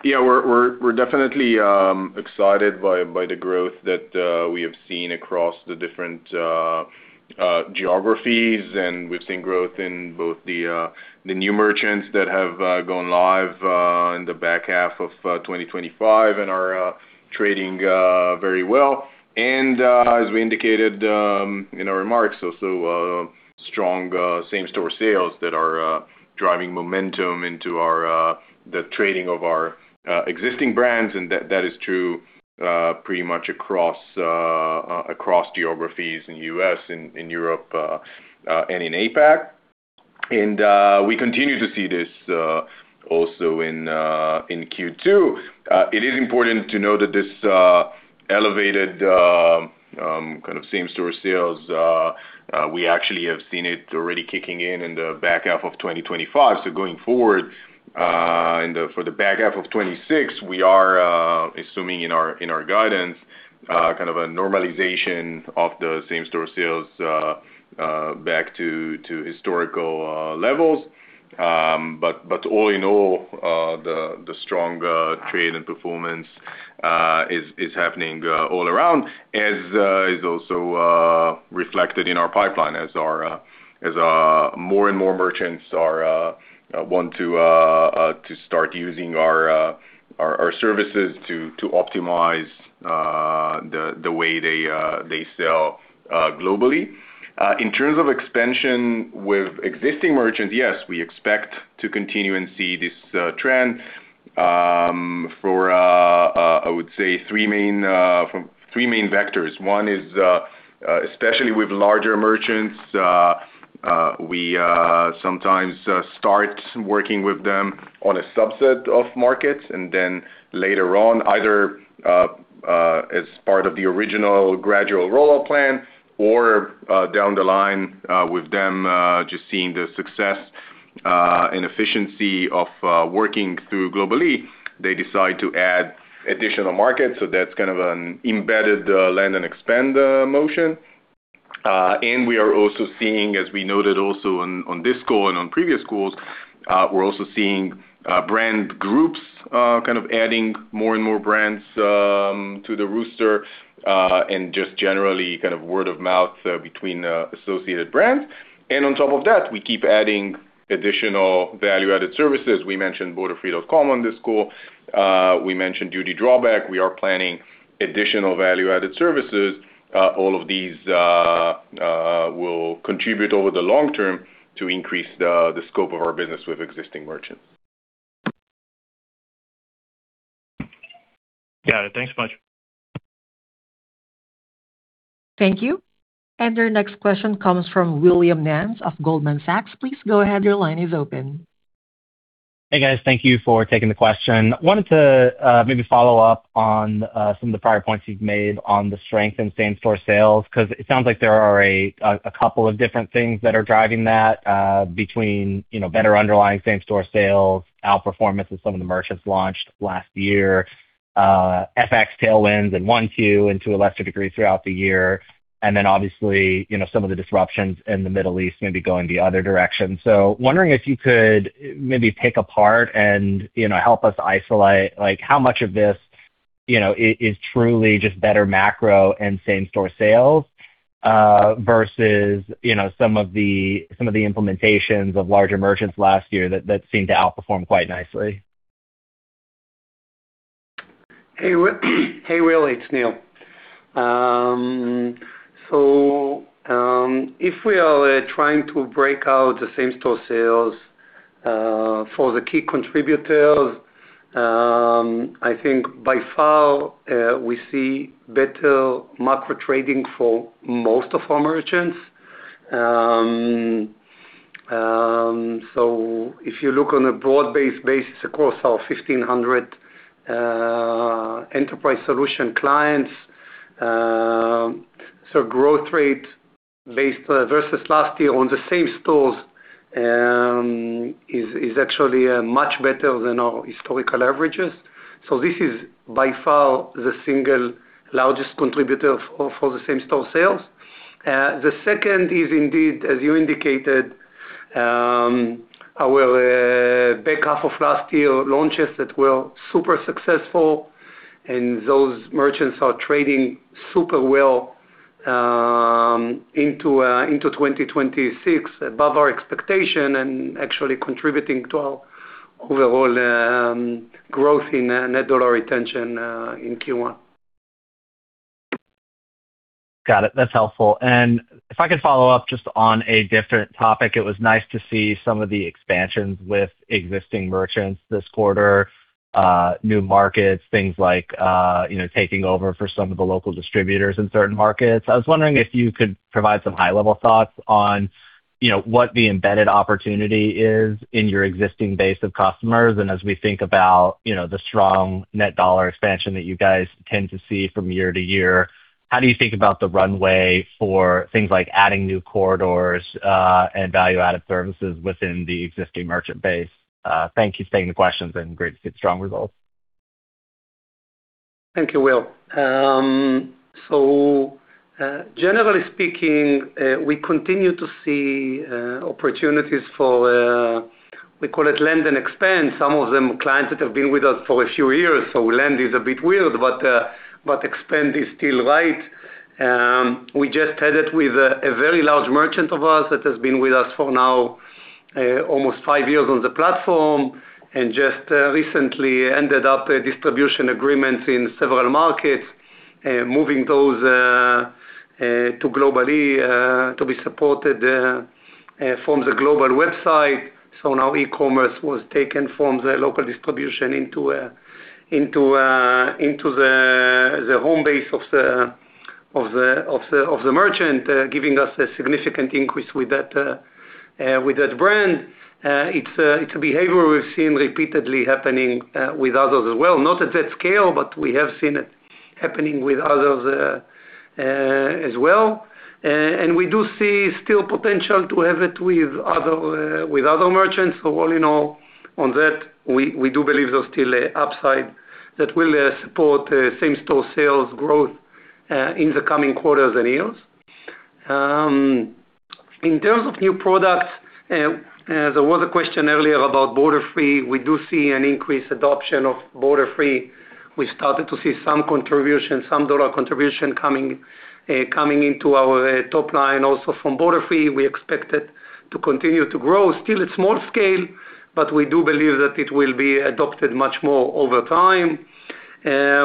We're definitely excited by the growth that we have seen across the different geographies. We've seen growth in both the new merchants that have gone live in the back half of 2025 and are trading very well. As we indicated in our remarks, also strong same-store sales that are driving momentum into the trading of our existing brands. That is true pretty much across geographies in U.S., in Europe and in APAC. We continue to see this also in Q2. It is important to note that this elevated kind of same-store sales we actually have seen it already kicking in in the back half of 2025. Going forward, for the back half of 2026, we are assuming in our guidance kind of a normalization of the same-store sales back to historical levels. All in all, the strong trade and performance is happening all around, as is also reflected in our pipeline as more and more merchants are want to start using our services to optimize the way they sell globally. In terms of expansion with existing merchants, yes, we expect to continue and see this trend for I would say three main vectors. One is, especially with larger merchants, we sometimes start working with them on a subset of markets. Later on, either as part of the original gradual rollout plan or down the line with them, just seeing the success and efficiency of working through Global-e, they decide to add additional markets. That's kind of an embedded land and expand motion. We are also seeing, as we noted also on this call and on previous calls, we're also seeing brand groups kind of adding more and more brands to the roster, and just generally kind of word of mouth between associated brands. On top of that, we keep adding additional value-added services. We mentioned Borderfree on this call. We mentioned Duty Drawback. We are planning additional value-added services. All of these will contribute over the long term to increase the scope of our business with existing merchants. Got it. Thanks much. Thank you. Your next question comes from Will Nance of Goldman Sachs. Please go ahead. Your line is open. Hey, guys. Thank you for taking the question. Wanted to maybe follow up on some of the prior points you've made on the strength in same-store sales, 'cause it sounds like there are a couple of different things that are driving that, between, you know, better underlying same-store sales, outperformance of some of the merchants launched last year, FX tailwinds in Q1 and to a lesser degree throughout the year, and then obviously, you know, some of the disruptions in the Middle East maybe going the other direction. Wondering if you could maybe pick apart and, you know, help us isolate, like, how much of this, you know, is truly just better macro and same-store sales, versus, you know, some of the implementations of larger merchants last year that seemed to outperform quite nicely. Hey, Will, it's Nir. If we are trying to break out the same-store sales for the key contributors, I think by far, we see better macro trading for most of our merchants. If you look on a broad-based basis across our 1,500 enterprise solution clients, growth rate based versus last year on the same stores is actually much better than our historical averages. This is by far the single largest contributor for the same-store sales. The second is indeed, as you indicated, our back half of last year launches that were super successful, and those merchants are trading super well into 2026 above our expectation and actually contributing to our overall growth in net dollar retention in Q1. Got it. That's helpful. If I could follow up just on a different topic, it was nice to see some of the expansions with existing merchants this quarter, new markets, things like, you know, taking over for some of the local distributors in certain markets. I was wondering if you could provide some high-level thoughts on, you know, what the embedded opportunity is in your existing base of customers. As we think about, you know, the strong net dollar expansion that you guys tend to see from year to year, how do you think about the runway for things like adding new corridors and value-added services within the existing merchant base? Thank you for taking the questions and great to see the strong results. Thank you, Will. Generally speaking, we continue to see opportunities for, we call it lend and expand. Some of them clients that have been with us for a few years, so lend is a bit weird, but expand is still right. We just had it with a very large merchant of ours that has been with us for now, almost five years on the platform, and just recently ended up a distribution agreement in several markets, moving those to Global-E, to be supported from the global website. Now e-commerce was taken from the local distribution into the home base of the merchant, giving us a significant increase with that brand. It's a behavior we've seen repeatedly happening with others as well. Not at that scale, but we have seen it happening with others as well. We do see still potential to have it with other merchants. All in all on that, we do believe there's still an upside that will support same-store sales growth in the coming quarters and years. In terms of new products, there was a question earlier about Borderfree. We do see an increased adoption of Borderfree. We started to see some contribution, some dollar contribution coming into our top line also from Borderfree. We expect it to continue to grow still at small scale, but we do believe that it will be adopted much more over time.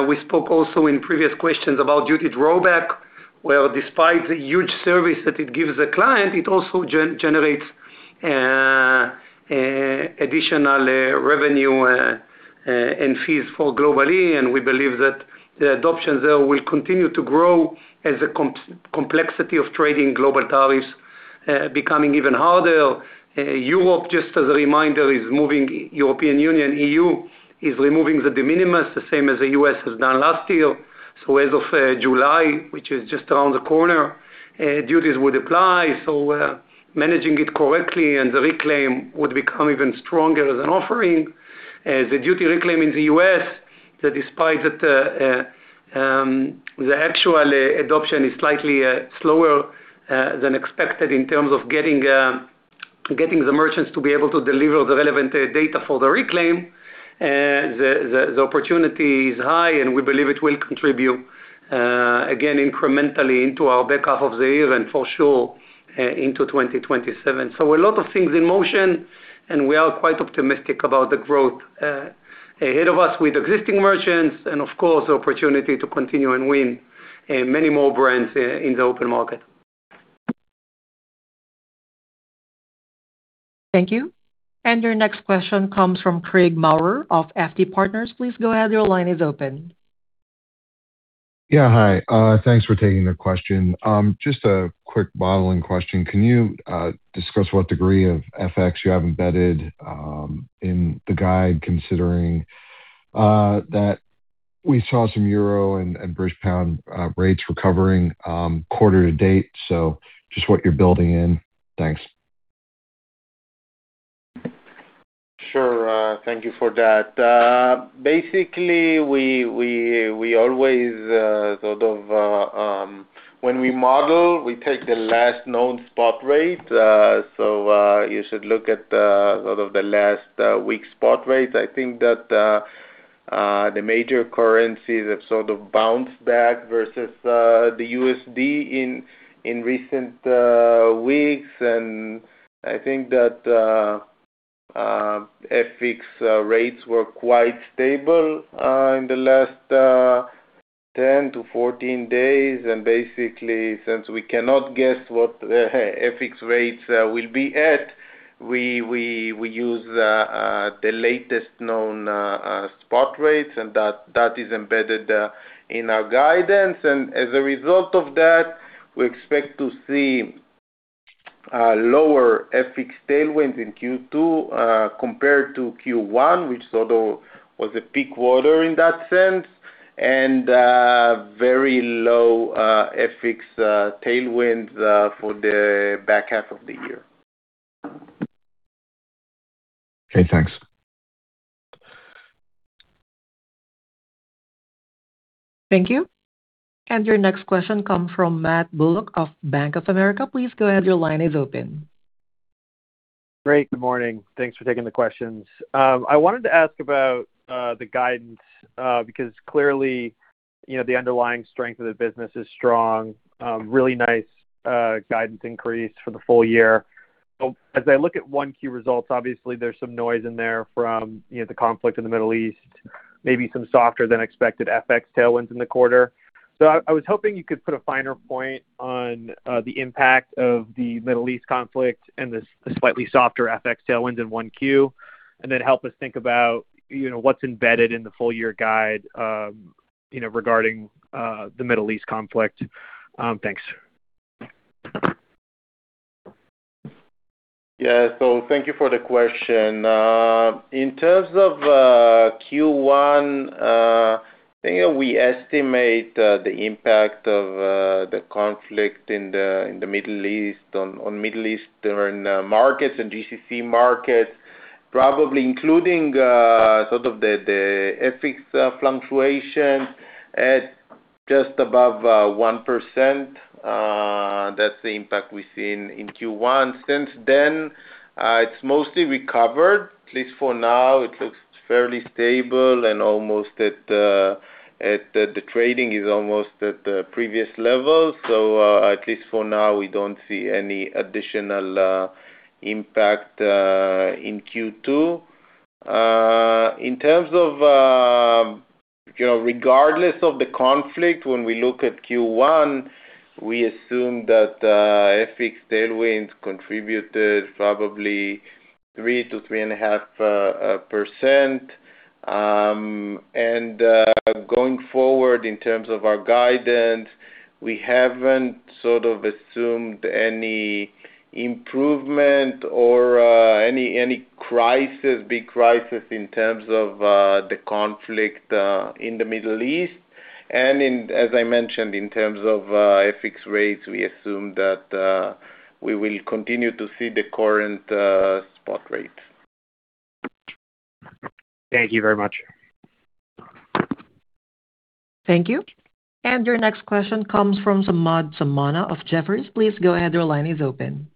We spoke also in previous questions about duty drawback, where despite the huge service that it gives the client, it also generates additional revenue and fees for Global-E. We believe that the adoption there will continue to grow as the complexity of trading global tariffs becoming even harder. Europe, just as a reminder, is moving European Union, EU is removing the de minimis, the same as the U.S. has done last year. As of July, which is just around the corner, duties would apply. Managing it correctly and the reclaim would become even stronger as an offering. The duty reclaim in the U.S., that despite that, the actual adoption is slightly slower than expected in terms of getting the merchants to be able to deliver the relevant data for the reclaim, the opportunity is high, and we believe it will contribute again, incrementally into our back half of the year and for sure, into 2027. A lot of things in motion, and we are quite optimistic about the growth ahead of us with existing merchants and of course the opportunity to continue and win many more brands in the open market. Thank you. Your next question comes from Craig Maurer of FT Partners. Please go ahead, your line is open. Yeah, hi. Thanks for taking the question. Just a quick modeling question. Can you discuss what degree of FX you have embedded in the guide, considering that we saw some euro and British pound rates recovering quarter to date? Just what you're building in. Thanks. Sure. Thank you for that. Basically, we always sort of when we model, we take the last known spot rate. You should look at sort of the last week's spot rates. I think that the major currencies have sort of bounced back versus the U.S. dollar in recent weeks. I think that FX rates were quite stable in the last 10 days-14 days. Basically, since we cannot guess what FX rates will be at, we use the latest known spot rates, and that is embedded in our guidance. As a result of that, we expect to see lower FX tailwinds in Q2 compared to Q1, which sort of was a peak quarter in that sense, very low FX tailwind for the back half of the year. Okay, thanks. Thank you. Your next question comes from Matt Bullock of Bank of America. Please go ahead, your line is open. Great. Good morning. Thanks for taking the questions. I wanted to ask about the guidance, because clearly, you know, the underlying strength of the business is strong. Really nice guidance increase for the full year. As I look at 1Q results, obviously there's some noise in there from, you know, the conflict in the Middle East, maybe some softer than expected FX tailwinds in the quarter. I was hoping you could put a finer point on the impact of the Middle East conflict and the slightly softer FX tailwinds in 1Q, and then help us think about, you know, what's embedded in the full year guide regarding the Middle East conflict. Thanks. Yeah. Thank you for the question. In terms of Q1, I think we estimate the impact of the conflict in the Middle East on Middle Eastern markets and GCC markets. Probably including sort of the FX fluctuation at just above 1%, that's the impact we've seen in Q1. Since then, it's mostly recovered. At least for now, it looks fairly stable and almost at the trading is almost at previous levels. At least for now, we don't see any additional impact in Q2. In terms of, you know, regardless of the conflict, when we look at Q1, we assume that FX tailwinds contributed probably 3%-3.5%. Going forward in terms of our guidance, we haven't sort of assumed any improvement or any crisis, big crisis in terms of the conflict in the Middle East. As I mentioned, in terms of FX rates, we assume that we will continue to see the current spot rate. Thank you very much. Thank you. Your next question comes from Samad Samana of Jefferies. Please go ahead, your line is open.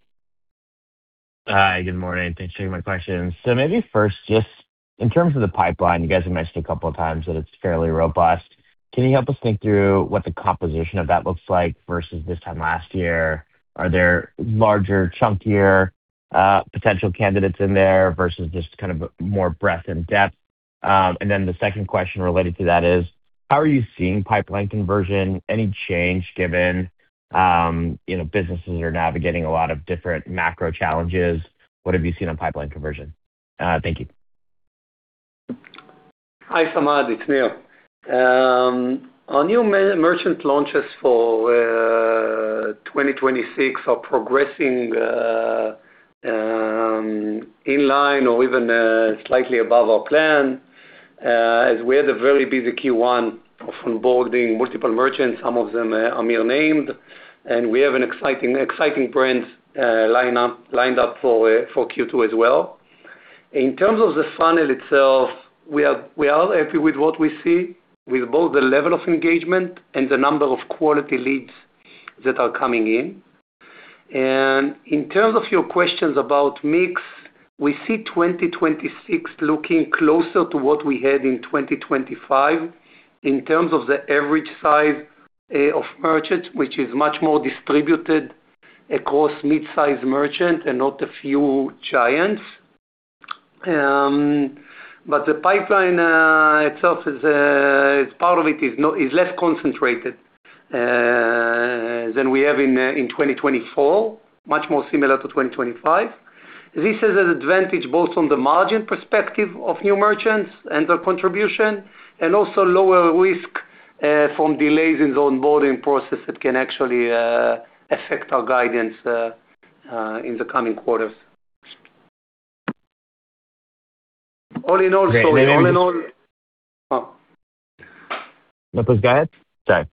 Hi. Good morning. Thanks for taking my questions. Maybe first, just in terms of the pipeline, you guys have mentioned a couple of times that it's fairly robust. Can you help us think through what the composition of that looks like versus this time last year? Are there larger, chunkier, potential candidates in there versus just kind of more breadth and depth? The second question related to that is how are you seeing pipeline conversion? Any change given, you know, businesses are navigating a lot of different macro challenges. What have you seen on pipeline conversion? Thank you. Hi, Samad. It's Nir. Our new merchant launches for 2026 are progressing in line or even slightly above our plan, as we had a very busy Q1 of onboarding multiple merchants, some of them Amir named, and we have an exciting brands lined up for Q2 as well. In terms of the funnel itself, we are happy with what we see with both the level of engagement and the number of quality leads that are coming in. In terms of your questions about mix, we see 2026 looking closer to what we had in 2025 in terms of the average size of merchants, which is much more distributed across midsize merchant and not a few giants. The pipeline itself is part of it is less concentrated than we have in 2024, much more similar to 2025. This is an advantage both on the margin perspective of new merchants and their contribution, and also lower risk from delays in the onboarding process that can actually affect our guidance in the coming quarters. All in all. Let us go ahead? Sorry.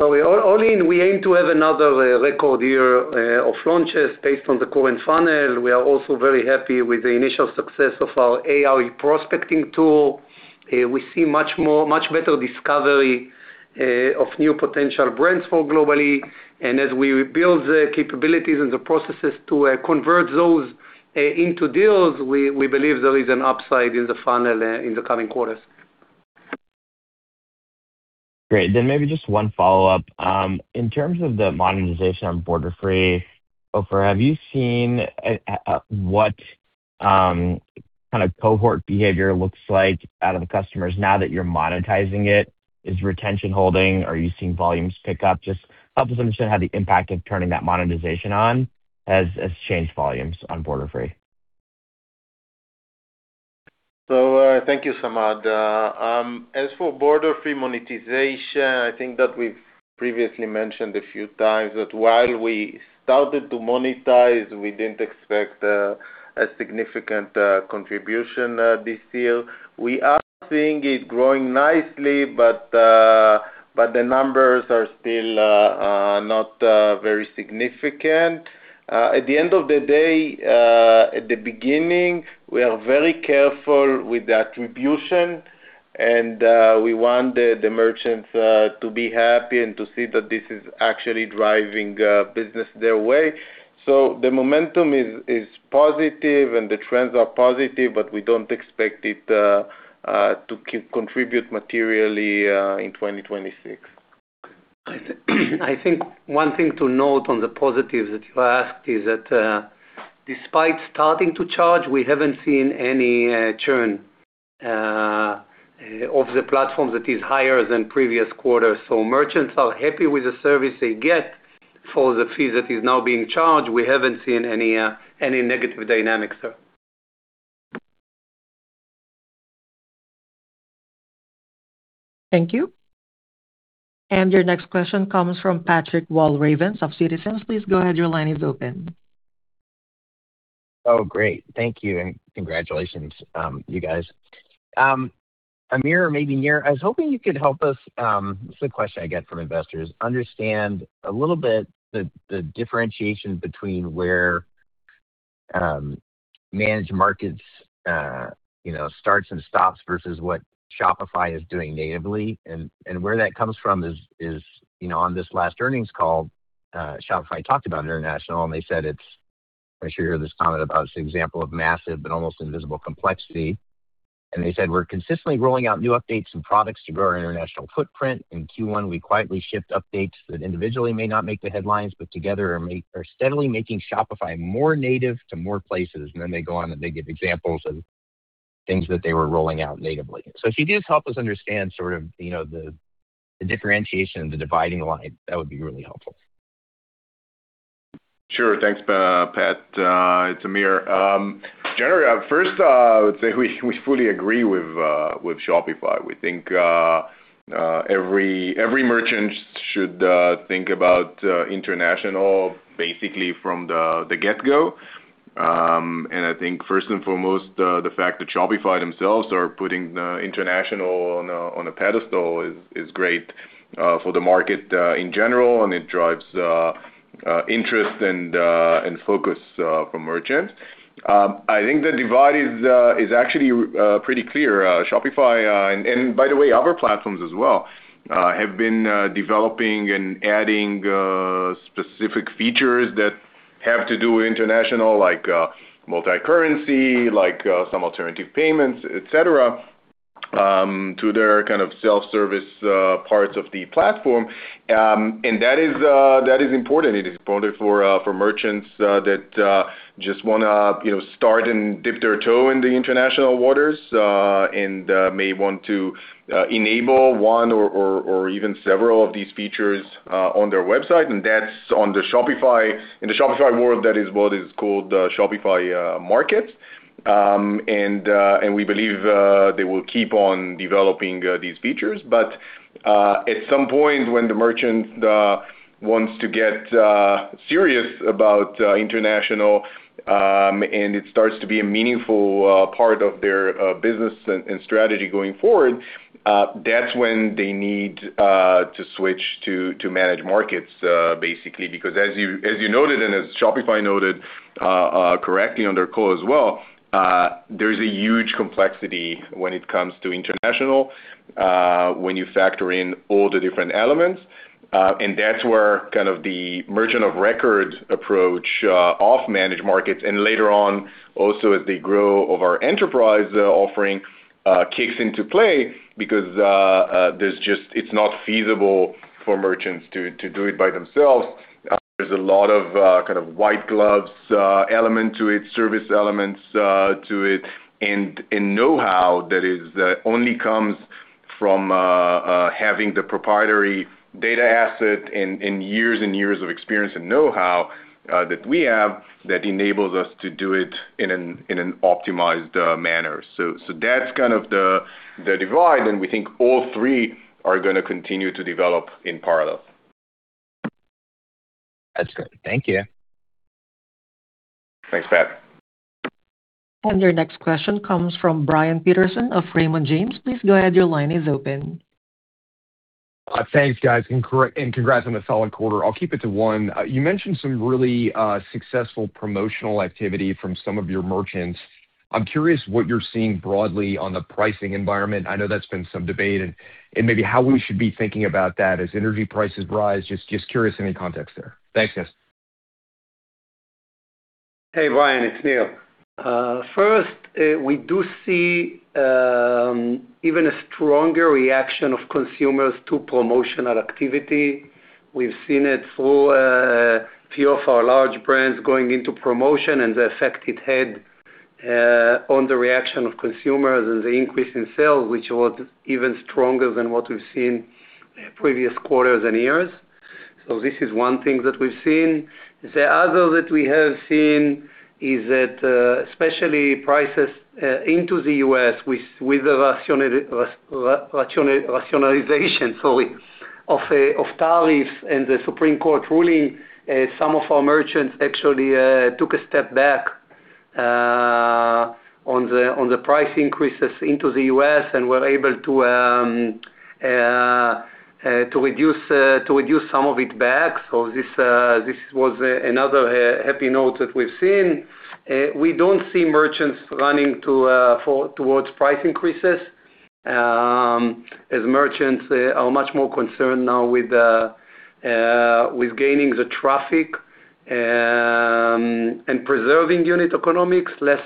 All in, we aim to have another record year of launches based on the current funnel. We are also very happy with the initial success of our AI prospecting tool. We see much better discovery of new potential brands for Global-E. As we build the capabilities and the processes to convert those into deals, we believe there is an upside in the funnel in the coming quarters. Great. Maybe just one follow-up. In terms of the monetization on Borderfree, Ofer, have you seen what kind of cohort behavior looks like out of the customers now that you're monetizing it? Is retention holding? Are you seeing volumes pick up? Just help us understand how the impact of turning that monetization on has changed volumes on Borderfree. Thank you, Samad. As for Borderfree monetization, I think that we've previously mentioned a few times that while we started to monetize, we didn't expect a significant contribution this year. We are seeing it growing nicely, but the numbers are still not very significant. At the end of the day, at the beginning, we are very careful with the attribution and we want the merchants to be happy and to see that this is actually driving business their way. The momentum is positive and the trends are positive, but we don't expect it to contribute materially in 2026. I think one thing to note on the positives that you asked is that, despite starting to charge, we haven't seen any churn of the platform that is higher than previous quarters. Merchants are happy with the service they get for the fee that is now being charged. We haven't seen any negative dynamics. Thank you. Your next question comes from Patrick Walravens of Citizens. Please go ahead, your line is open. Oh, great. Thank you, and congratulations, you guys. Amir, maybe Nir, I was hoping you could help us, this is a question I get from investors, understand a little bit the differentiation between where Managed Markets, you know, starts and stops versus what Shopify is doing natively. Where that comes from is, you know, on this last earnings call, Shopify talked about international, and they said it's I'm sure you heard this comment about it's an example of massive but almost invisible complexity. They said, "We're consistently rolling out new updates and products to grow our international footprint. In Q1, we quietly shipped updates that individually may not make the headlines, but together are steadily making Shopify more native to more places. Then they go on and they give examples of things that they were rolling out natively. If you could just help us understand sort of, you know, the differentiation, the dividing line, that would be really helpful. Sure. Thanks, Patrick. It's Amir Schlachet. Generally, first, I would say we fully agree with Shopify. We think every merchant should think about international basically from the get-go. And I think first and foremost, the fact that Shopify themselves are putting international on a pedestal is great for the market in general, and it drives interest and focus from merchants. I think the divide is actually pretty clear. Shopify and by the way, other platforms as well, have been developing and adding specific features that have to do with international like multi-currency, like some alternative payments, et cetera, to their kind of self-service parts of the platform. That is important. It is important for merchants that just wanna, you know, start and dip their toe in the international waters and may want to enable one or even several of these features on their website. That's on the Shopify In the Shopify world, that is what is called Shopify Markets. We believe they will keep on developing these features. At some point when the merchant wants to get serious about international, and it starts to be a meaningful part of their business and strategy going forward, that's when they need to switch to Managed Markets basically. As you, as you noted and as Shopify noted correctly on their call as well, there is a huge complexity when it comes to international, when you factor in all the different elements. And that's where kind of the merchant of record approach of Managed Markets, and later on also as they grow of our enterprise offering, kicks into play because there's just it's not feasible for merchants to do it by themselves. There's a lot of kind of white gloves element to it, service elements to it, and know-how that is only comes from having the proprietary data asset and years and years of experience and know-how that we have that enables us to do it in an optimized manner. That's kind of the divide, and we think all three are gonna continue to develop in parallel. That's good. Thank you. Thanks, Patrick. Your next question comes from Brian Peterson of Raymond James. Please go ahead, your line is open. Thanks, guys, and congrats on the solid quarter. I'll keep it to one. You mentioned some really successful promotional activity from some of your merchants. I'm curious what you're seeing broadly on the pricing environment. I know that's been some debate and maybe how we should be thinking about that as energy prices rise. Just curious any context there. Thanks, guys. Hey, Brian, it's Nir. First, we do see even a stronger reaction of consumers to promotional activity. We've seen it through few of our large brands going into promotion and the effect it had on the reaction of consumers and the increase in sales, which was even stronger than what we've seen previous quarters and years. This is one thing that we've seen. The other that we have seen is that especially prices into the U.S. with the rationalization, sorry, of tariffs and the Supreme Court ruling, some of our merchants actually took a step back on the price increases into the U.S. and were able to reduce some of it back. This, this was a another happy note that we've seen. We don't see merchants running to towards price increases, as merchants are much more concerned now with gaining the traffic and preserving unit economics, less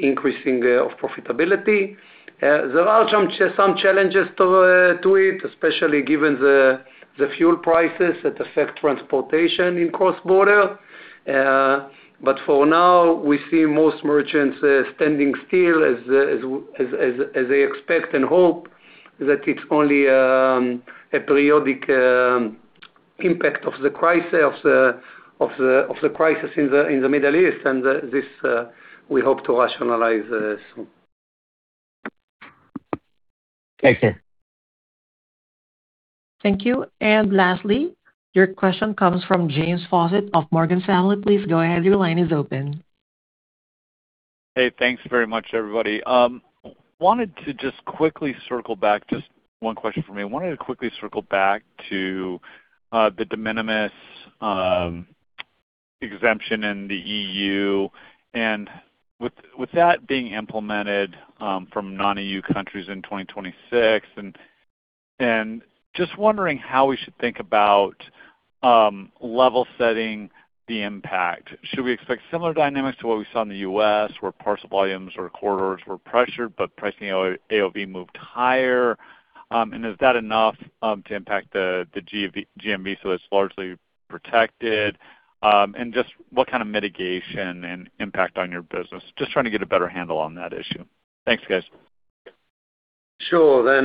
increasing of profitability. There are some challenges to it, especially given the fuel prices that affect transportation in cross-border. For now, we see most merchants standing still as they expect and hope that it's only a periodic impact of the crisis, of the crisis in the Middle East. This, we hope to rationalize soon. Thanks, Nir. Thank you. Lastly, your question comes from James Faucette of Morgan Stanley. Please go ahead. Your line is open. Hey, thanks very much, everybody. Wanted to just quickly circle back, just one question for me. I wanted to quickly circle back to the de minimis exemption in the EU with that being implemented from non-EU countries in 2026, just wondering how we should think about level-setting the impact. Should we expect similar dynamics to what we saw in the U.S. where parcel volumes or quarters were pressured, but pricing AOV moved higher? Is that enough to impact the GMV, so it's largely protected? Just what kind of mitigation and impact on your business? Just trying to get a better handle on that issue. Thanks, guys. Sure, it's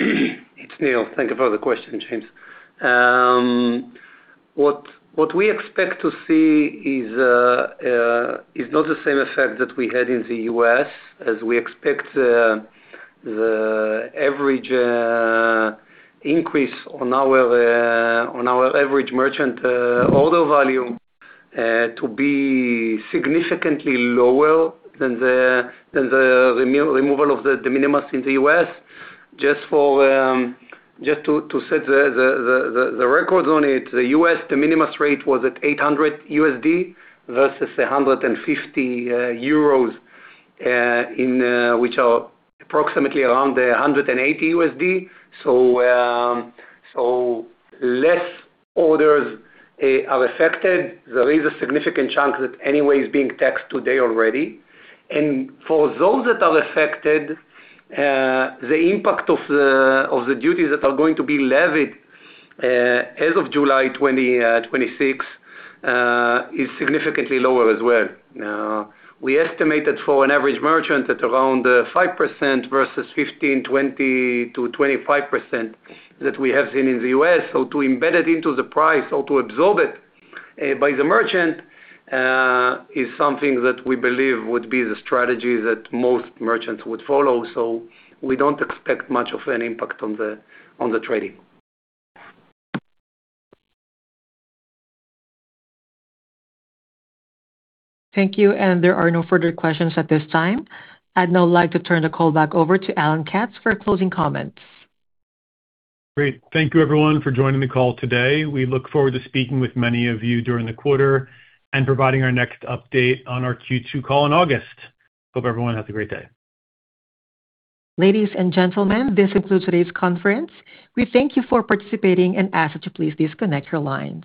Nir Debbi. Thank you for the question, James Faucette. What we expect to see is not the same effect that we had in the U.S., as we expect the average increase on our average merchant order value to be significantly lower than the removal of the de minimis in the U.S. Just to set the records on it, the U.S. de minimis rate was at $800 USD versus 150 euros, which are approximately around $180 USD. Less orders are affected. There is a significant chunk that anyway is being taxed today already. For those that are affected, the impact of the duties that are going to be levied as of July 20th, 2026, is significantly lower as well. We estimate it for an average merchant at around 5% versus 15%, 20%-25% that we have seen in the U.S. To embed it into the price or to absorb it by the merchant is something that we believe would be the strategy that most merchants would follow. We don't expect much of an impact on the trading. Thank you. There are no further questions at this time. I'd now like to turn the call back over to Alan Katz for closing comments. Great. Thank you everyone for joining the call today. We look forward to speaking with many of you during the quarter and providing our next update on our Q2 call in August. Hope everyone has a great day. Ladies and gentlemen, this concludes today's conference. We thank you for participating and ask that you please disconnect your lines.